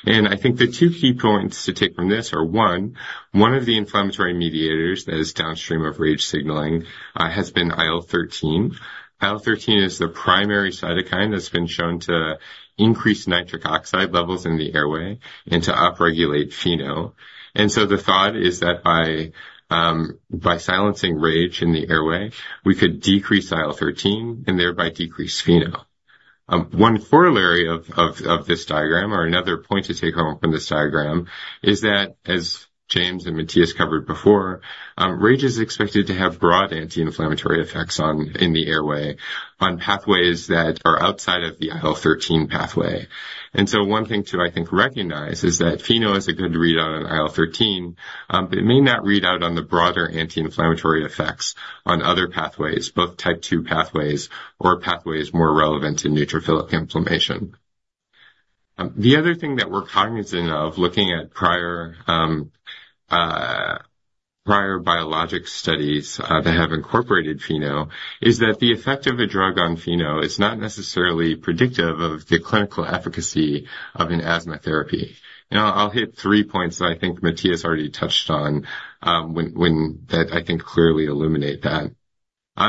And I think the two key points to take from this are, one of the inflammatory mediators that is downstream of RAGE signaling has been IL-13. IL-13 is the primary cytokine that's been shown to increase nitric oxide levels in the airway and to upregulate FeNO. So the thought is that by silencing RAGE in the airway, we could decrease IL-13 and thereby decrease FeNO. One corollary of this diagram or another point to take home from this diagram is that, as James and Matthias covered before, RAGE is expected to have broad anti-inflammatory effects in the airway, on pathways that are outside of the IL-13 pathway. So one thing to, I think, recognize is that FeNO is a good readout on IL-13, but it may not read out on the broader anti-inflammatory effects on other pathways, both Type 2 pathways or pathways more relevant to neutrophilic inflammation. The other thing that we're cognizant of, looking at prior biologic studies that have incorporated FeNO, is that the effect of a drug on FeNO is not necessarily predictive of the clinical efficacy of an asthma therapy. I'll hit three points that I think Matthias already touched on, when that I think clearly illuminate that.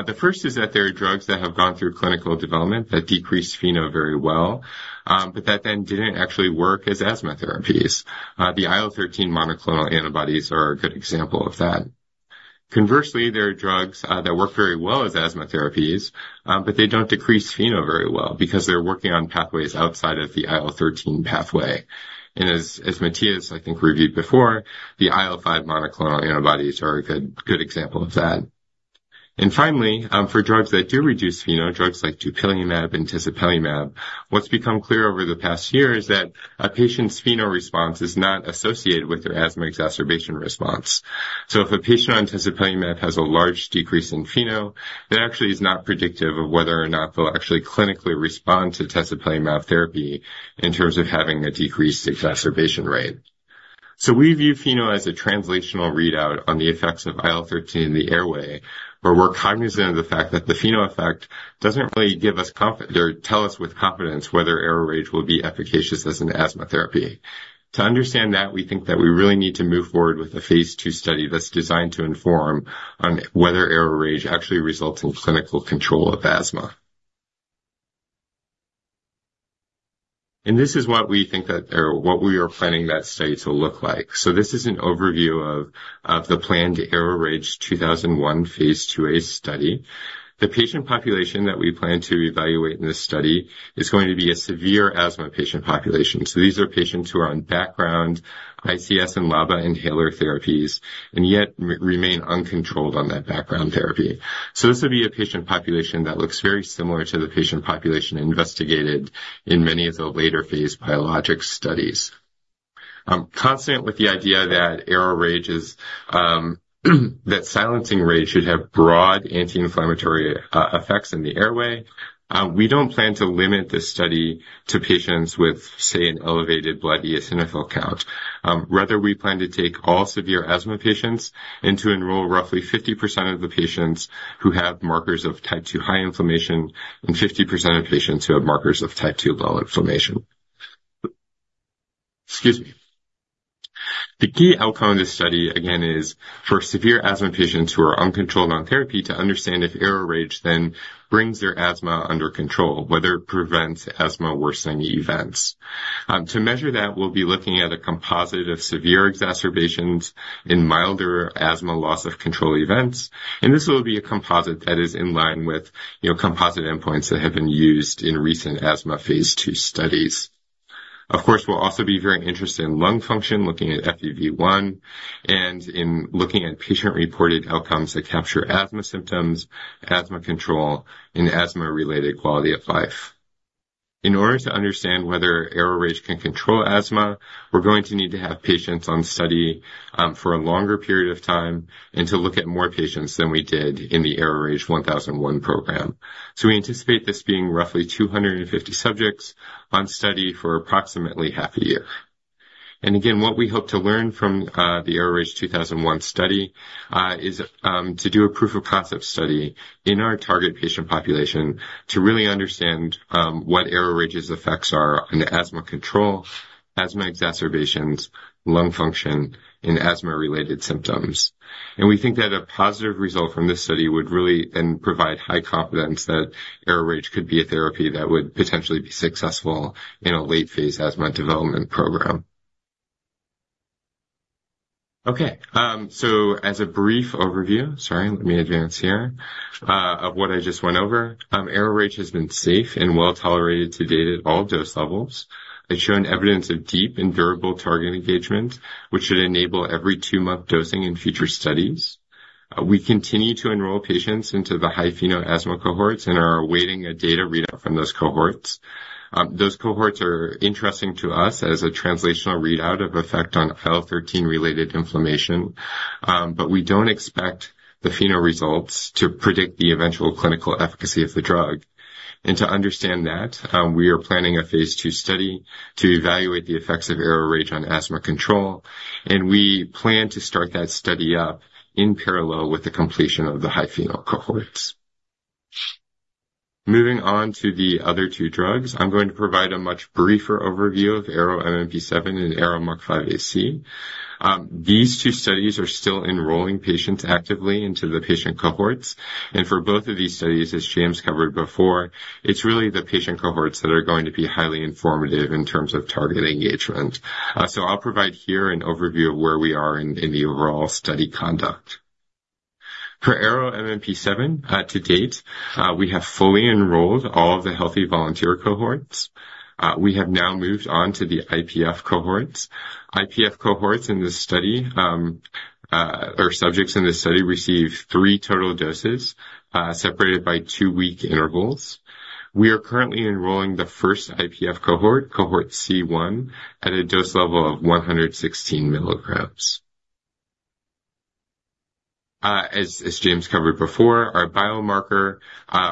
The first is that there are drugs that have gone through clinical development that decrease FeNO very well, but that then didn't actually work as asthma therapies. The IL-13 monoclonal antibodies are a good example of that. Conversely, there are drugs that work very well as asthma therapies, but they don't decrease FeNO very well because they're working on pathways outside of the IL-13 pathway. As Matthias, I think, reviewed before, the IL-5 monoclonal antibodies are a good, good example of that. Finally, for drugs that do reduce FeNO, drugs like dupilumab and tezepelumab, what's become clear over the past year is that a patient's FeNO response is not associated with their asthma exacerbation response. So if a patient on tezepelumab has a large decrease in FeNO, that actually is not predictive of whether or not they'll actually clinically respond to tezepelumab therapy in terms of having a decreased exacerbation rate. So we view FeNO as a translational readout on the effects of IL-13 in the airway, but we're cognizant of the fact that the FeNO effect doesn't really give us confidence or tell us with confidence whether ARO-RAGE will be efficacious as an asthma therapy. To understand that, we think that we really need to move forward with a phase II study that's designed to inform on whether ARO-RAGE actually results in clinical control of asthma. And this is what we think that, or what we are planning that study to look like. So this is an overview of the planned ARO-RAGE 2001 phase II-A study. The patient population that we plan to evaluate in this study is going to be a severe asthma patient population. So these are patients who are on background ICS and LABA inhaler therapies and yet remain uncontrolled on that background therapy. So this would be a patient population that looks very similar to the patient population investigated in many of the later phase biologic studies. Consonant with the idea that ARO-RAGE is that silencing RAGE should have broad anti-inflammatory effects in the airway, we don't plan to limit this study to patients with, say, an elevated blood eosinophil count. Rather, we plan to take all severe asthma patients and to enroll roughly 50% of the patients who have markers of Type 2 high inflammation and 50% of patients who have markers of Type 2 low inflammation. Excuse me. The key outcome of this study, again, is for severe asthma patients who are uncontrolled on therapy to understand if ARO-RAGE then brings their asthma under control, whether it prevents asthma worsening events. To measure that, we'll be looking at a composite of severe exacerbations in milder asthma loss of control events, and this will be a composite that is in line with, you know, composite endpoints that have been used in recent asthma phase II studies. Of course, we'll also be very interested in lung function, looking at FEV1, and in looking at patient-reported outcomes that capture asthma symptoms, asthma control, and asthma-related quality of life. In order to understand whether ARO-RAGE can control asthma, we're going to need to have patients on study, for a longer period of time and to look at more patients than we did in the ARO-RAGE 1001 program. So we anticipate this being roughly 250 subjects on study for approximately half a year. And again, what we hope to learn from the ARO-RAGE 2001 study is to do a proof of concept study in our target patient population to really understand what ARO-RAGE's effects are on asthma control, asthma exacerbations, lung function, and asthma-related symptoms. And we think that a positive result from this study would really then provide high confidence that ARO-RAGE could be a therapy that would potentially be successful in a late-phase asthma development program. Okay, so as a brief overview, sorry, let me advance here of what I just went over. ARO-RAGE has been safe and well tolerated to date at all dose levels. It's shown evidence of deep and durable target engagement, which should enable every two-month dosing in future studies. We continue to enroll patients into the high FeNO asthma cohorts and are awaiting a data readout from those cohorts. Those cohorts are interesting to us as a translational readout of effect on IL-13-related inflammation, but we don't expect the FeNO results to predict the eventual clinical efficacy of the drug. And to understand that, we are planning a phase II study to evaluate the effects of ARO-RAGE on asthma control, and we plan to start that study up in parallel with the completion of the high FeNO cohorts. Moving on to the other two drugs, I'm going to provide a much briefer overview of ARO-MMP7 and ARO-MUC5AC. These two studies are still enrolling patients actively into the patient cohorts, and for both of these studies, as James covered before, it's really the patient cohorts that are going to be highly informative in terms of target engagement. So I'll provide here an overview of where we are in the overall study conduct. For ARO-MMP7, to date, we have fully enrolled all of the healthy volunteer cohorts. We have now moved on to the IPF cohorts. IPF cohorts in this study, or subjects in this study received three total doses, separated by two-week intervals. We are currently enrolling the first IPF cohort, cohort C1, at a dose level of 116 mg. As James covered before, our biomarker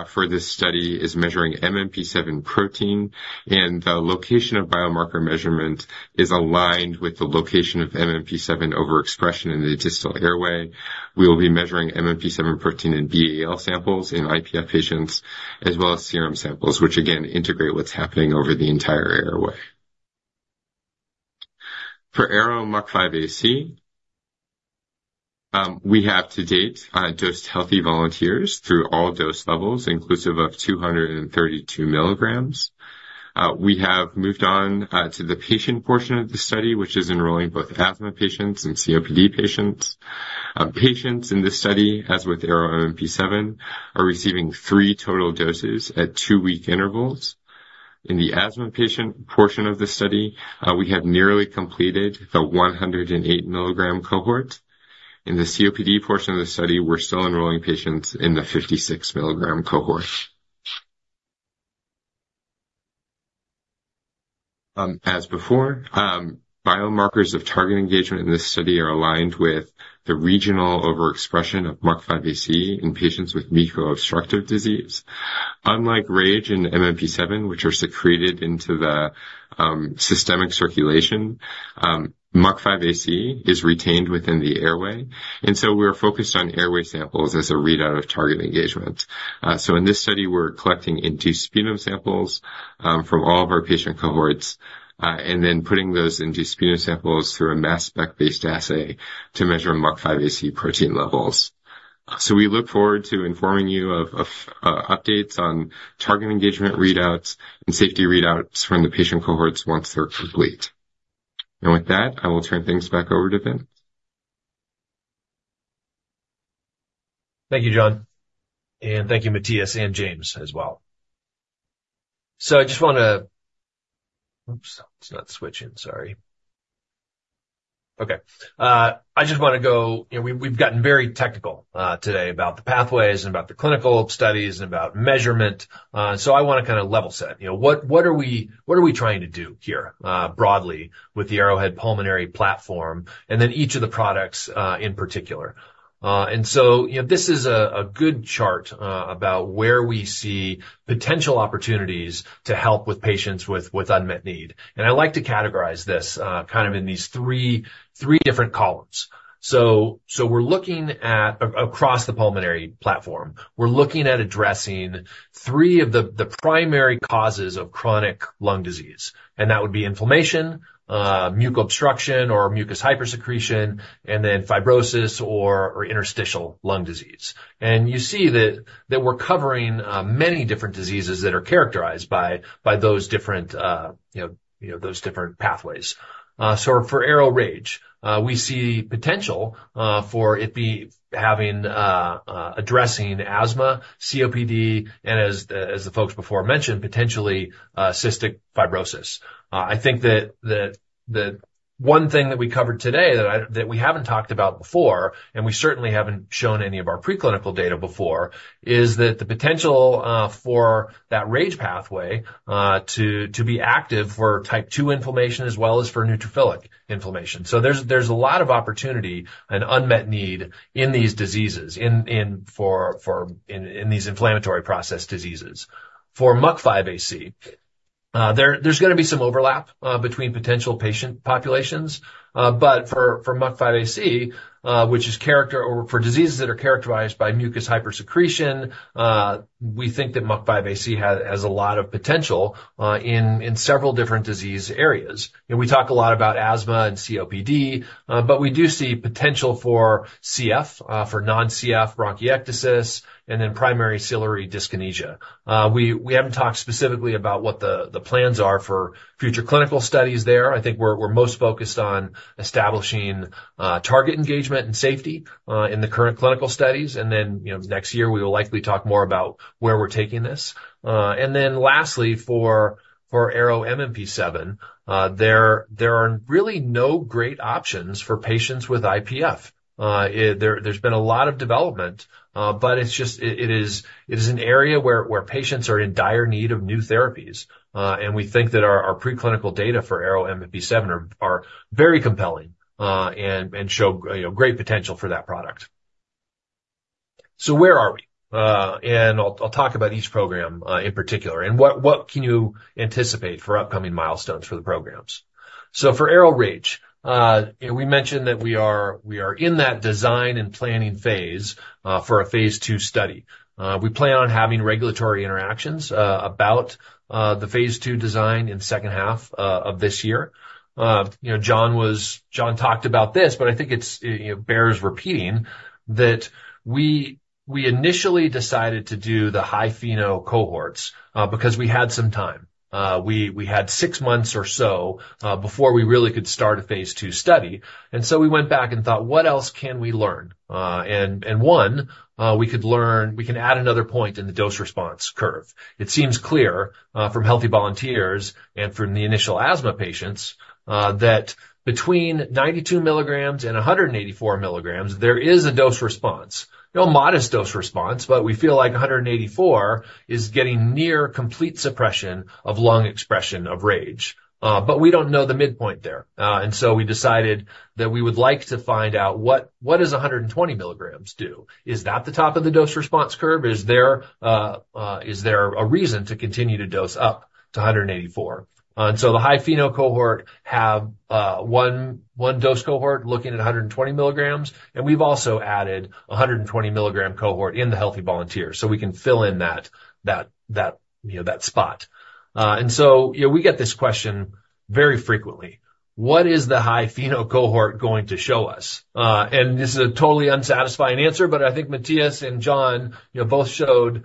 for this study is measuring MMP-7 protein, and the location of biomarker measurement is aligned with the location of MMP-7 overexpression in the distal airway. We will be measuring MMP-7 protein in BAL samples in IPF patients, as well as serum samples, which again, integrate what's happening over the entire airway. For ARO-MUC5AC, we have to date, dosed healthy volunteers through all dose levels, inclusive of 232 mg. We have moved on, to the patient portion of the study, which is enrolling both asthma patients and COPD patients. Patients in this study, as with ARO-MMP7, are receiving three total doses at two-week intervals. In the asthma patient portion of the study, we have nearly completed the 108 mg cohort. In the COPD portion of the study, we're still enrolling patients in the 56 mg cohort. As before, biomarkers of target engagement in this study are aligned with the regional overexpression of MUC5AC in patients with muco-obstructive disease. Unlike RAGE and MMP-7, which are secreted into the systemic circulation, MUC5AC is retained within the airway, and so we're focused on airway samples as a readout of target engagement. So in this study, we're collecting induced sputum samples from all of our patient cohorts, and then putting those induced sputum samples through a mass spec-based assay to measure MUC5AC protein levels. So we look forward to informing you of updates on target engagement readouts and safety readouts from the patient cohorts once they're complete. And with that, I will turn things back over to Vince. Thank you, John, and thank you, Matthias and James, as well. So I just wanna... Oops, it's not switching. Sorry. Okay. I just wanna go, you know, we, we've gotten very technical, today about the pathways and about the clinical studies and about measurement. So I wanna kinda level set. You know, what, what are we, what are we trying to do here, broadly, with the Arrowhead pulmonary platform, and then each of the products, in particular? And so, you know, this is a, a good chart, about where we see potential opportunities to help with patients with, with unmet need. And I like to categorize this, kind of in these three, three different columns. We're looking at across the pulmonary platform, we're looking at addressing three of the primary causes of chronic lung disease, and that would be inflammation, mucus obstruction or mucus hypersecretion, and then fibrosis or interstitial lung disease. And you see that we're covering many different diseases that are characterized by those different, you know, those different pathways. So for ARO-RAGE, we see potential for it being addressing asthma, COPD, and as the folks before mentioned, potentially cystic fibrosis. I think that one thing that we covered today that we haven't talked about before, and we certainly haven't shown any of our preclinical data before, is that the potential for that RAGE pathway to be active for Type 2 inflammation as well as for neutrophilic inflammation. So there's a lot of opportunity and unmet need in these diseases for these inflammatory process diseases. For MUC5AC, there's gonna be some overlap between potential patient populations. But for MUC5AC, for diseases that are characterized by mucus hypersecretion, we think that MUC5AC has a lot of potential in several different disease areas. We talk a lot about asthma and COPD, but we do see potential for CF, for non-CF bronchiectasis, and then primary ciliary dyskinesia. We haven't talked specifically about what the plans are for future clinical studies there. I think we're most focused on establishing target engagement and safety in the current clinical studies. And then, you know, next year, we will likely talk more about where we're taking this. And then lastly, for ARO-MMP7, there are really no great options for patients with IPF. There's been a lot of development, but it's just it is an area where patients are in dire need of new therapies. And we think that our preclinical data for ARO-MMP7 are very compelling and show, you know, great potential for that product. So where are we? And I'll talk about each program in particular, and what can you anticipate for upcoming milestones for the programs? So for ARO-RAGE, you know, we mentioned that we are in that design and planning phase for a phase II study. We plan on having regulatory interactions about the phase II design in the second half of this year. You know, John talked about this, but I think it's, you know, bears repeating, that we initially decided to do the high FeNO cohorts because we had some time. We had six months or so before we really could start a phase II study, and so we went back and thought, "What else can we learn?" And one we could learn, we can add another point in the dose-response curve. It seems clear from healthy volunteers and from the initial asthma patients that between 92 mg and 184 mg, there is a dose-response. You know, a modest dose-response, but we feel like 184 mg is getting near complete suppression of lung expression of RAGE. But we don't know the midpoint there, and so we decided that we would like to find out what 120 mg does? Is that the top of the dose-response curve? Is there a reason to continue to dose up to 184 mg? And so the high FeNO cohort have one dose cohort looking at 120 mg, and we've also added a 120 mg cohort in the healthy volunteers, so we can fill in that you know that spot. And so, you know, we get this question very frequently: What is the high FeNO cohort going to show us? And this is a totally unsatisfying answer, but I think Matthias and John, you know, both showed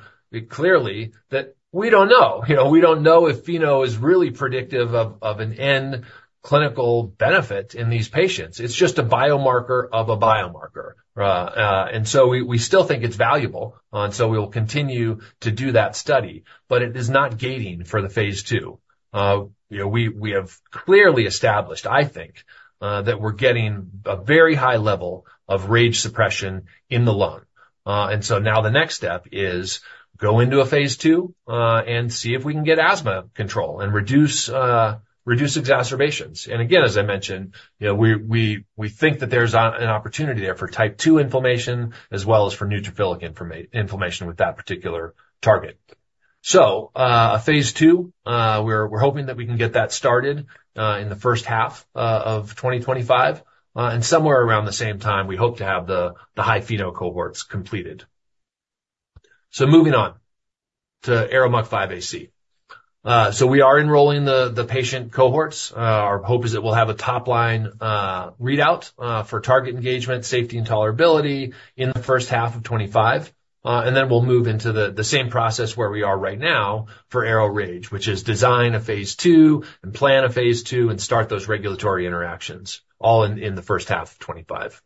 clearly that we don't know. You know, we don't know if FeNO is really predictive of an end clinical benefit in these patients. It's just a biomarker of a biomarker. And so we still think it's valuable, and so we'll continue to do that study, but it is not gating for the phase II. You know, we have clearly established, I think, that we're getting a very high level of RAGE suppression in the lung. And so now the next step is go into a phase II, and see if we can get asthma control and reduce exacerbations. And again, as I mentioned, you know, we think that there's an opportunity there for Type 2 inflammation as well as for neutrophilic inflammation with that particular target. So, a phase II, we're hoping that we can get that started, in the first half of 2025, and somewhere around the same time, we hope to have the high FeNO cohorts completed. So moving on to ARO-MUC5AC. So we are enrolling the patient cohorts. Our hope is that we'll have a top-line readout for target engagement, safety, and tolerability in the first half of 2025. And then we'll move into the same process where we are right now for ARO-RAGE, which is design a phase II and plan a phase II and start those regulatory interactions, all in the first half of 2025.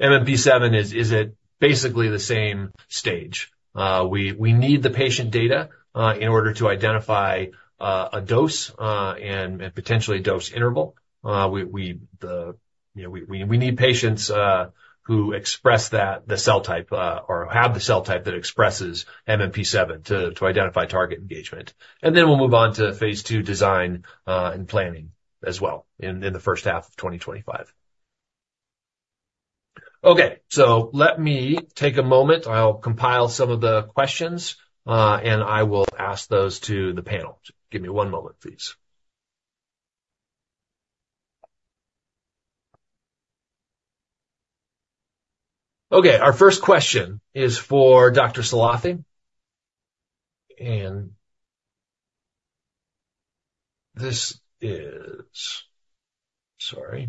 MMP-7 is at basically the same stage. We need the patient data in order to identify a dose and potentially a dose interval. You know, we need patients who express that the cell type or have the cell type that expresses MMP-7 to identify target engagement. And then we'll move on to phase II design and planning as well in the first half of 2025. Okay, so let me take a moment. I'll compile some of the questions and I will ask those to the panel. Just give me one moment, please. Okay, our first question is for Dr. Salathe. And this is... Sorry.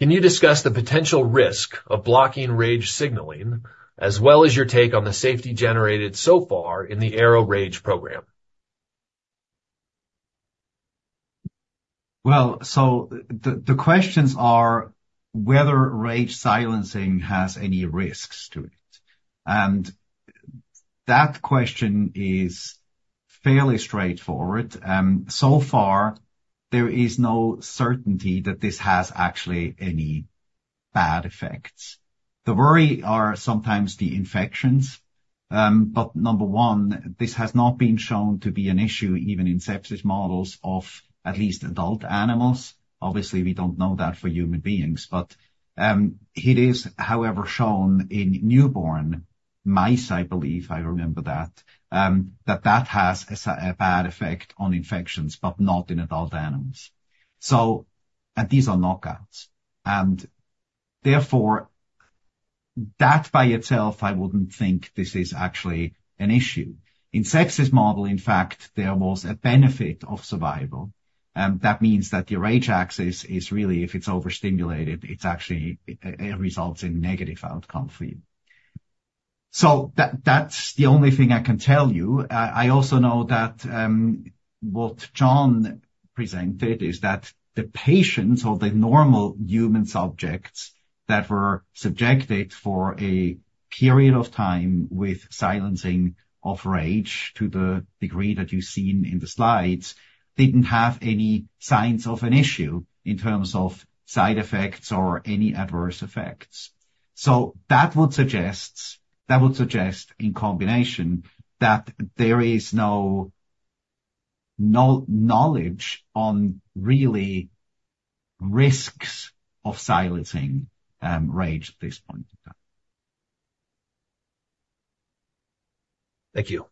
Can you discuss the potential risk of blocking RAGE signaling, as well as your take on the safety generated so far in the ARO-RAGE program? Well, so the questions are whether RAGE silencing has any risks to it, and that question is fairly straightforward. So far, there is no certainty that this has actually any bad effects. The worry are sometimes the infections, but number one, this has not been shown to be an issue, even in sepsis models of at least adult animals. Obviously, we don't know that for human beings, but it is, however, shown in newborn mice, I believe, I remember that, that that has a bad effect on infections, but not in adult animals. So. And these are knockouts, and therefore, that by itself, I wouldn't think this is actually an issue. In sepsis model, in fact, there was a benefit of survival, and that means that your RAGE axis is really, if it's overstimulated, it's actually, it results in negative outcome for you. So that, that's the only thing I can tell you. I also know that, what John presented is that the patients or the normal human subjects that were subjected for a period of time with silencing of RAGE to the degree that you've seen in the slides, didn't have any signs of an issue in terms of side effects or any adverse effects. So that would suggests, that would suggest, in combination, that there is no, no knowledge on really risks of silencing, RAGE at this point in time. Thank you.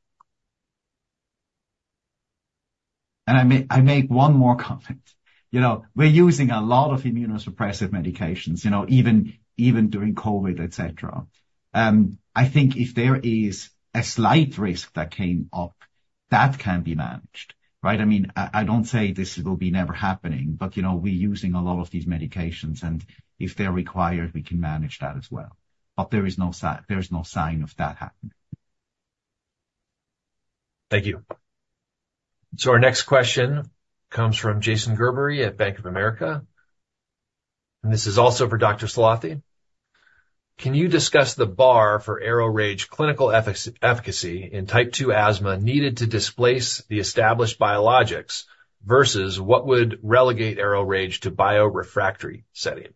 I make one more comment. You know, we're using a lot of immunosuppressive medications, you know, even, even during COVID, et cetera. I think if there is a slight risk that came up, that can be managed, right? I mean, I don't say this will be never happening, but, you know, we're using a lot of these medications, and if they're required, we can manage that as well. But there is no sign of that happening. Thank you. So our next question comes from Jason Gerberry at Bank of America. This is also for Dr. Salathe: Can you discuss the bar for ARO-RAGE clinical efficacy in Type 2 asthma needed to displace the established biologics versus what would relegate ARO-RAGE to biologic-refractory setting?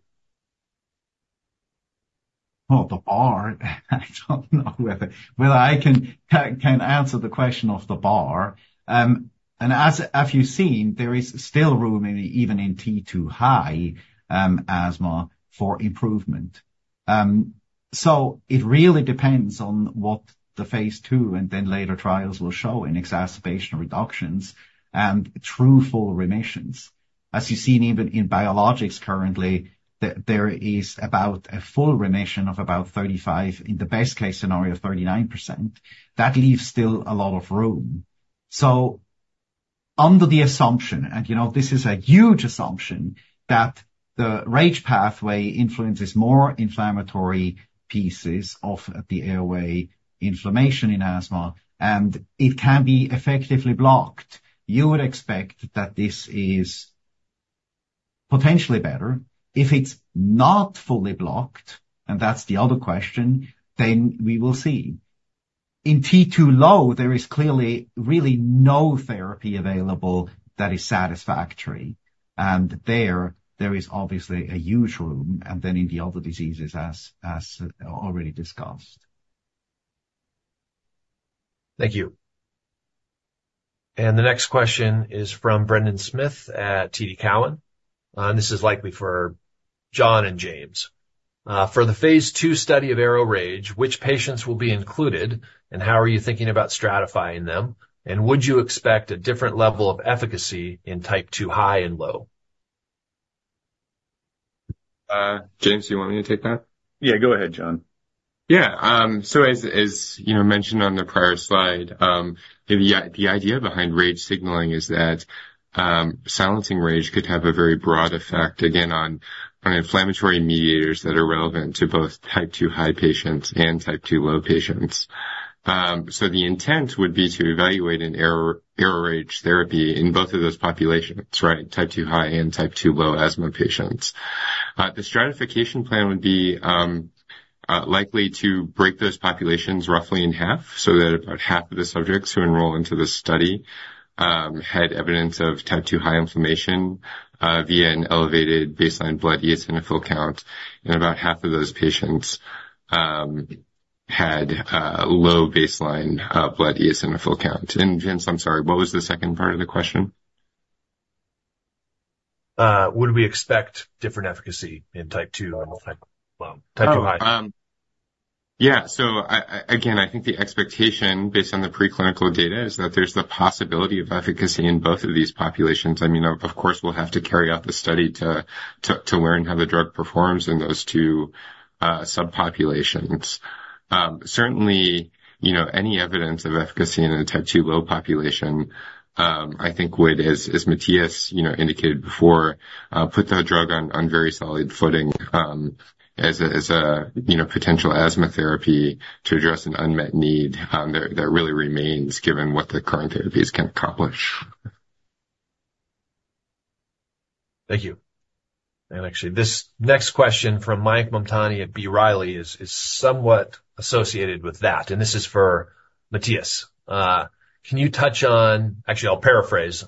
Oh, the bar? I don't know whether I can answer the question of the bar. And as you've seen, there is still room in, even in T2 high, asthma for improvement. So it really depends on what the phase II, and then later trials will show in exacerbation reductions and true full remissions. As you've seen, even in biologics currently, there is about a full remission of about 35%, in the best case scenario, 39%. That leaves still a lot of room. So under the assumption, and, you know, this is a huge assumption, that the RAGE pathway influences more inflammatory pieces of the airway inflammation in asthma, and it can be effectively blocked, you would expect that this is potentially better. If it's not fully blocked, and that's the other question, then we will see. In T2 low, there is clearly really no therapy available that is satisfactory, and there is obviously a huge room, and then in the other diseases, as already discussed. Thank you. And the next question is from Brendan Smith at TD Cowen, and this is likely for John and James. For the phase II study of ARO-RAGE, which patients will be included, and how are you thinking about stratifying them? And would you expect a different level of efficacy in Type 2 high and low? James, do you want me to take that? Yeah, go ahead, John. Yeah. So as you know, mentioned on the prior slide, the idea behind RAGE signaling is that silencing RAGE could have a very broad effect, again, on inflammatory mediators that are relevant to both Type 2 high patients and Type 2 low patients. So the intent would be to evaluate an ARO-RAGE therapy in both of those populations, right? Type 2 high and Type 2 low asthma patients. The stratification plan would be likely to break those populations roughly in half, so that about half of the subjects who enroll into the study had evidence of Type 2 high inflammation via an elevated baseline blood eosinophil count, and about half of those patients had low baseline blood eosinophil count. James, I'm sorry, what was the second part of the question? Would we expect different efficacy in type 2 and low type? Well, type 2 high. Oh, yeah. So again, I think the expectation based on the preclinical data is that there's the possibility of efficacy in both of these populations. I mean, of course, we'll have to carry out the study to learn how the drug performs in those two subpopulations. Certainly, you know, any evidence of efficacy in a Type 2 low population, I think would, as Matthias, you know, indicated before, put the drug on very solid footing, as a, you know, potential asthma therapy to address an unmet need, that really remains given what the current therapies can accomplish. Thank you. And actually, this next question from Mayank Mamtani at B. Riley is somewhat associated with that, and this is for Matthias. Can you touch on... Actually, I'll paraphrase.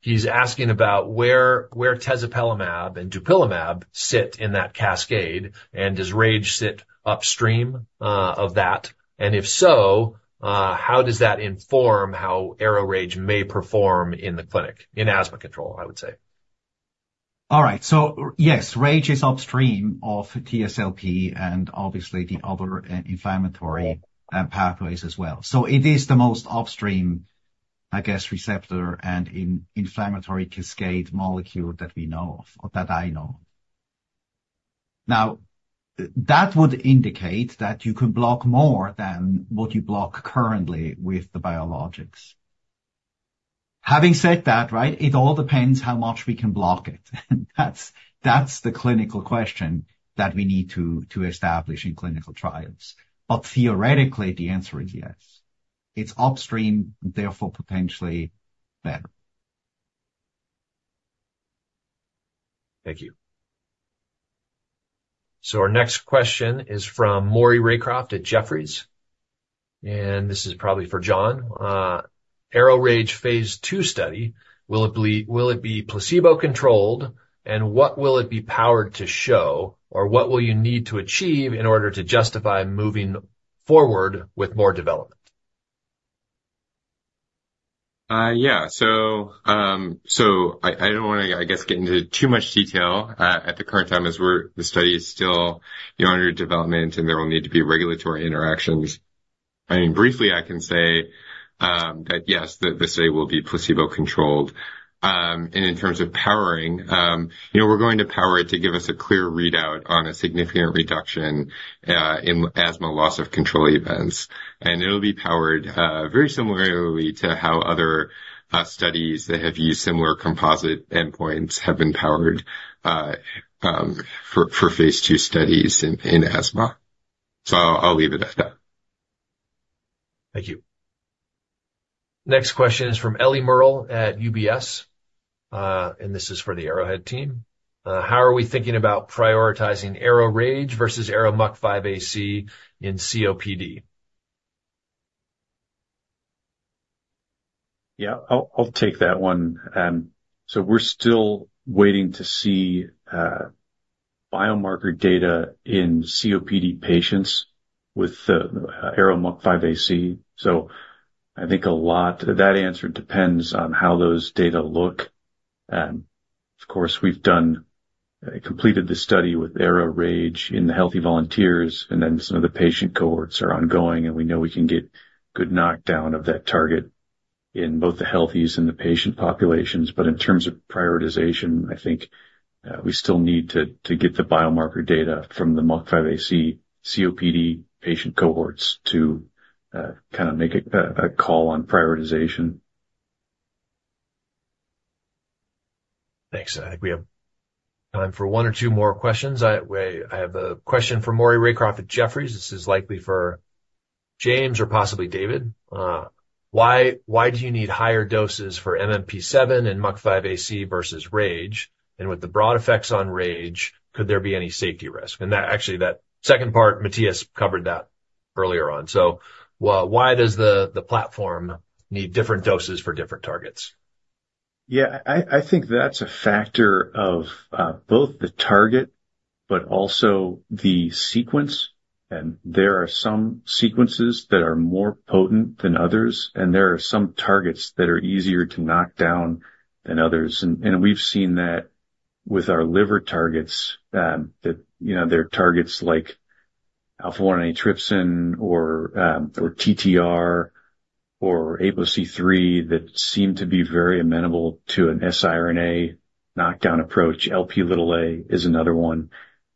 He's asking about where tezepelumab and dupilumab sit in that cascade, and does RAGE sit upstream of that? And if so, how does that inform how ARO-RAGE may perform in the clinic, in asthma control, I would say. All right. So yes, RAGE is upstream of TSLP and obviously the other inflammatory pathways as well. So it is the most upstream, I guess, receptor and inflammatory cascade molecule that we know of, or that I know of. Now, that would indicate that you can block more than what you block currently with the biologics. Having said that, right, it all depends how much we can block it. And that's the clinical question that we need to establish in clinical trials. But theoretically, the answer is yes. It's upstream, therefore, potentially better. Thank you. So our next question is from Maury Raycroft at Jefferies, and this is probably for John. ARO-RAGE phase II study, will it be, will it be placebo-controlled, and what will it be powered to show, or what will you need to achieve in order to justify moving forward with more development? Yeah. So, so I, I don't wanna, I guess, get into too much detail, at the current time, as the study is still, you know, under development, and there will need to be regulatory interactions. I mean, briefly, I can say, that yes, the, the study will be placebo-controlled. And in terms of powering, you know, we're going to power it to give us a clear readout on a significant reduction, in asthma loss of control events. And it'll be powered, very similarly to how other, studies that have used similar composite endpoints have been powered, for, for phase II studies in, in asthma. So I'll, I'll leave it at that. Thank you. Next question is from Ellie Merle at UBS, and this is for the Arrowhead team. How are we thinking about prioritizing ARO-RAGE versus ARO-MUC5AC in COPD? Yeah, I'll take that one. So we're still waiting to see biomarker data in COPD patients with the ARO-MUC5AC. So I think a lot... That answer depends on how those data look. Of course, we've completed the study with ARO-RAGE in the healthy volunteers, and then some of the patient cohorts are ongoing, and we know we can get good knockdown of that target in both the healthies and the patient populations. But in terms of prioritization, I think we still need to get the biomarker data from the MUC5AC COPD patient cohorts to kind of make a call on prioritization. Thanks. I think we have time for one or two more questions. Wait, I have a question from Maury Raycroft at Jefferies. This is likely for James or possibly David. Why do you need higher doses for MMP7 and MUC5AC versus RAGE? And with the broad effects on RAGE, could there be any safety risk? And that, actually, that second part, Matthias covered that earlier on. So why does the platform need different doses for different targets? Yeah, I think that's a factor of both the target, but also the sequence. And there are some sequences that are more potent than others, and there are some targets that are easier to knock down than others. And we've seen that with our liver targets, that you know, there are targets like alpha-1 antitrypsin or or TTR or apolipoprotein C-III, that seem to be very amenable to an siRNA knockdown approach. Lp is another one,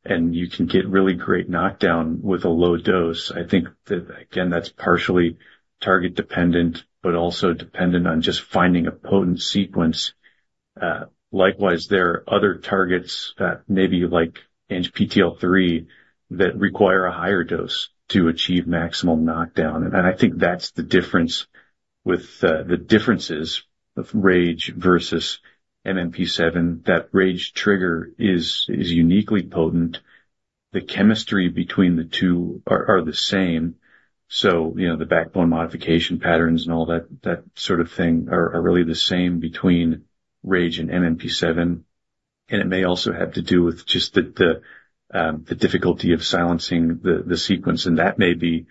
and you can get really great knockdown with a low dose. I think that, again, that's partially target dependent, but also dependent on just finding a potent sequence. Likewise, there are other targets, maybe like ANGPTL3, that require a higher dose to achieve maximum knockdown. And I think that's the difference with the differences of RAGE versus MMP7. That RAGE trigger is uniquely potent. The chemistry between the two are the same. So, you know, the backbone modification patterns and all that, that sort of thing, are really the same between RAGE and MMP7. And it may also have to do with just the difficulty of silencing the sequence, and that may be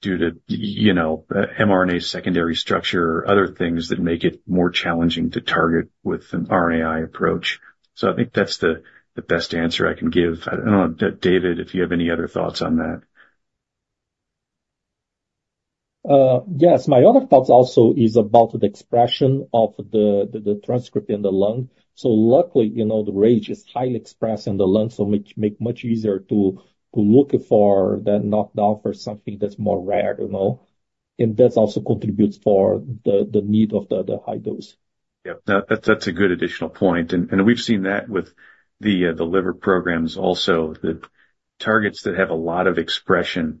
due to, you know, mRNA's secondary structure or other things that make it more challenging to target with an RNAi approach. So I think that's the best answer I can give. I don't know, David, if you have any other thoughts on that. Yes. My other thoughts also is about the expression of the transcript in the lung. So luckily, you know, the RAGE is highly expressed in the lung, so makes much easier to look for that knockdown for something that's more rare, you know? And that also contributes for the need of the high dose. Yep. That, that's a good additional point. And, and we've seen that with the, the liver programs also. The targets that have a lot of expression,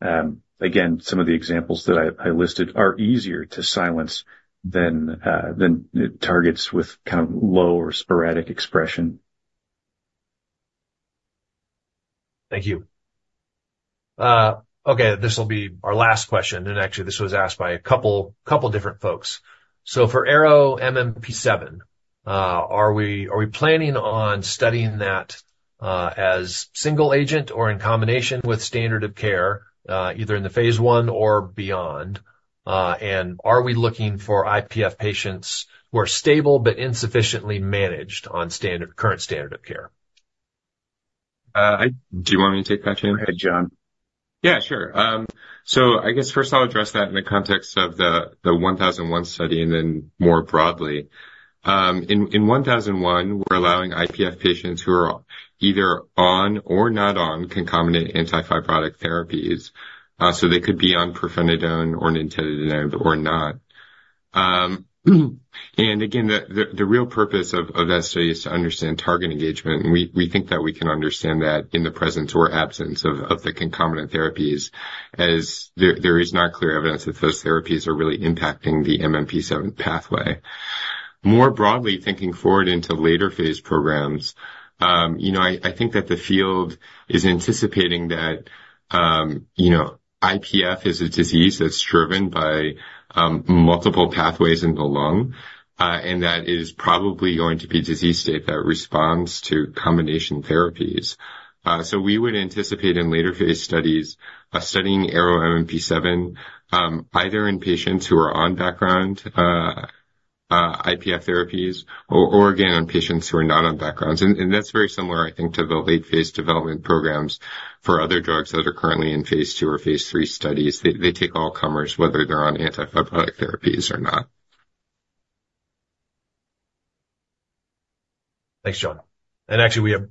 again, some of the examples that I, I listed are easier to silence than, than targets with kind of low or sporadic expression. Thank you. Okay, this will be our last question, and actually, this was asked by a couple, couple different folks. So for ARO-MMP7, are we planning on studying that as single agent or in combination with standard of care, either in the phase I or beyond? And are we looking for IPF patients who are stable but insufficiently managed on current standard of care? Do you want to take that, John? Yeah, sure. I guess first I'll address that in the context of the 1001 study, and then more broadly. In 1001, we're allowing IPF patients who are either on or not on concomitant anti-fibrotic therapies. They could be on pirfenidone or nintedanib or not. And again, the real purpose of that study is to understand target engagement, and we think that we can understand that in the presence or absence of the concomitant therapies, as there is not clear evidence that those therapies are really impacting the MMP-7 pathway. More broadly, thinking forward into later phase programs, you know, I, I think that the field is anticipating that, you know, IPF is a disease that's driven by multiple pathways in the lung, and that is probably going to be a disease state that responds to combination therapies. So we would anticipate in later phase studies, studying ARO-MMP7, either in patients who are on background IPF therapies or, or, again, on patients who are not on backgrounds. And, and that's very similar, I think, to the late phase development programs for other drugs that are currently in phase II or phase III studies. They, they take all comers, whether they're on anti-fibrotic therapies or not. Thanks, John. And actually, we have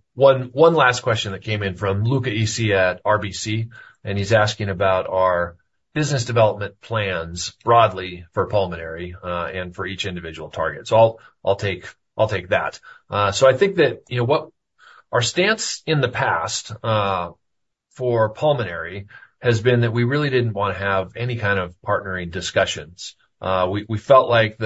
one last question that came in from Luca Issi at RBC, and he's asking about our business development plans broadly for pulmonary, and for each individual target. So I'll take that. So I think that, you know, our stance in the past for pulmonary has been that we really didn't want to have any kind of partnering discussions. We felt like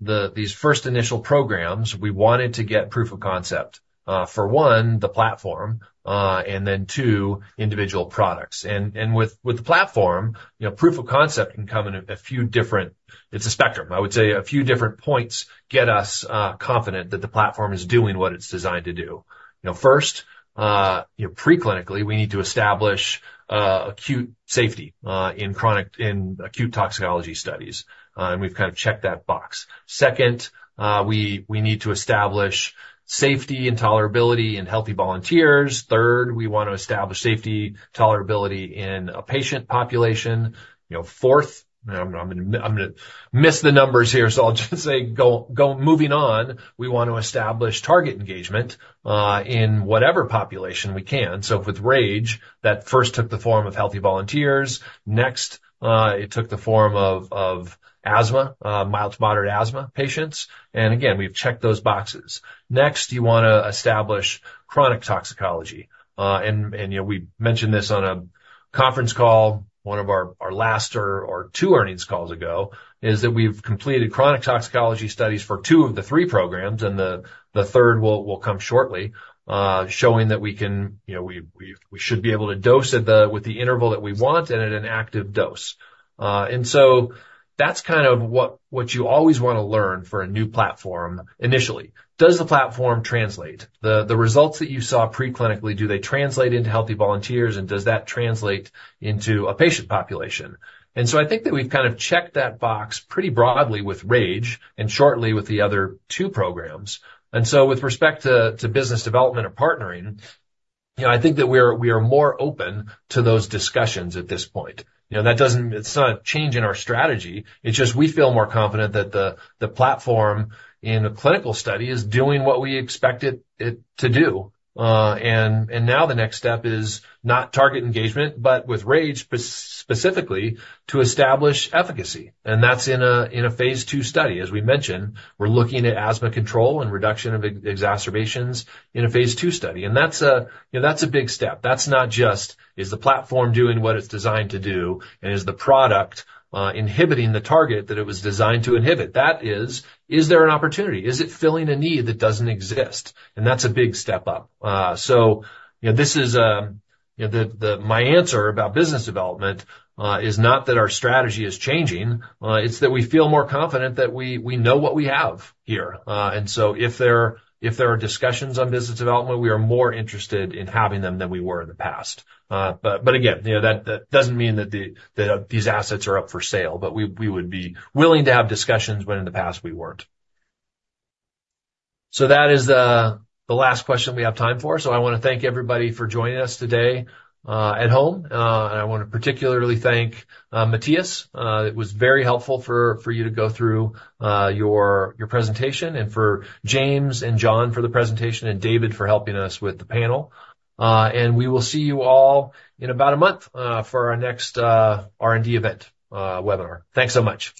these first initial programs, we wanted to get proof of concept, for, one, the platform, and then, two, individual products. And with the platform, you know, proof of concept can come in a few different... It's a spectrum. I would say a few different points get us confident that the platform is doing what it's designed to do. You know, first, pre-clinically, we need to establish acute safety in acute toxicology studies, and we've kind of checked that box. Second, we need to establish safety and tolerability in healthy volunteers. Third, we want to establish safety, tolerability in a patient population. You know, fourth, I'm gonna miss the numbers here, so I'll just say, go, go. Moving on, we want to establish target engagement in whatever population we can. So with RAGE, that first took the form of healthy volunteers. Next, it took the form of asthma, mild to moderate asthma patients. And again, we've checked those boxes. Next, you want to establish chronic toxicology. And you know, we mentioned this on a conference call, one of our last or two earnings calls ago, is that we've completed chronic toxicology studies for two of the three programs, and the third will come shortly, showing that we can, you know, we should be able to dose at the, with the interval that we want and at an active dose. And so that's kind of what you always want to learn for a new platform initially. Does the platform translate? The results that you saw pre-clinically, do they translate into healthy volunteers, and does that translate into a patient population? And so I think that we've kind of checked that box pretty broadly with RAGE and shortly with the other two programs. And so with respect to business development or partnering-... You know, I think that we are more open to those discussions at this point. You know, that doesn't. It's not a change in our strategy. It's just we feel more confident that the platform in the clinical study is doing what we expect it to do. And now the next step is not target engagement, but with RAGE, specifically, to establish efficacy, and that's in a phase II study. As we mentioned, we're looking at asthma control and reduction of exacerbations in a phase II study. And that's a big step. That's not just, is the platform doing what it's designed to do? And is the product inhibiting the target that it was designed to inhibit? That is, is there an opportunity? Is it filling a need that doesn't exist? And that's a big step up. So, you know, this is, you know, my answer about business development is not that our strategy is changing, it's that we feel more confident that we know what we have here. And so if there are discussions on business development, we are more interested in having them than we were in the past. But again, you know, that doesn't mean that these assets are up for sale, but we would be willing to have discussions, when in the past, we weren't. So that is the last question we have time for. So I wanna thank everybody for joining us today at home. And I wanna particularly thank Matthias. It was very helpful for you to go through your presentation, and for James and John for the presentation, and David for helping us with the panel. We will see you all in about a month for our next R&D event webinar. Thanks so much!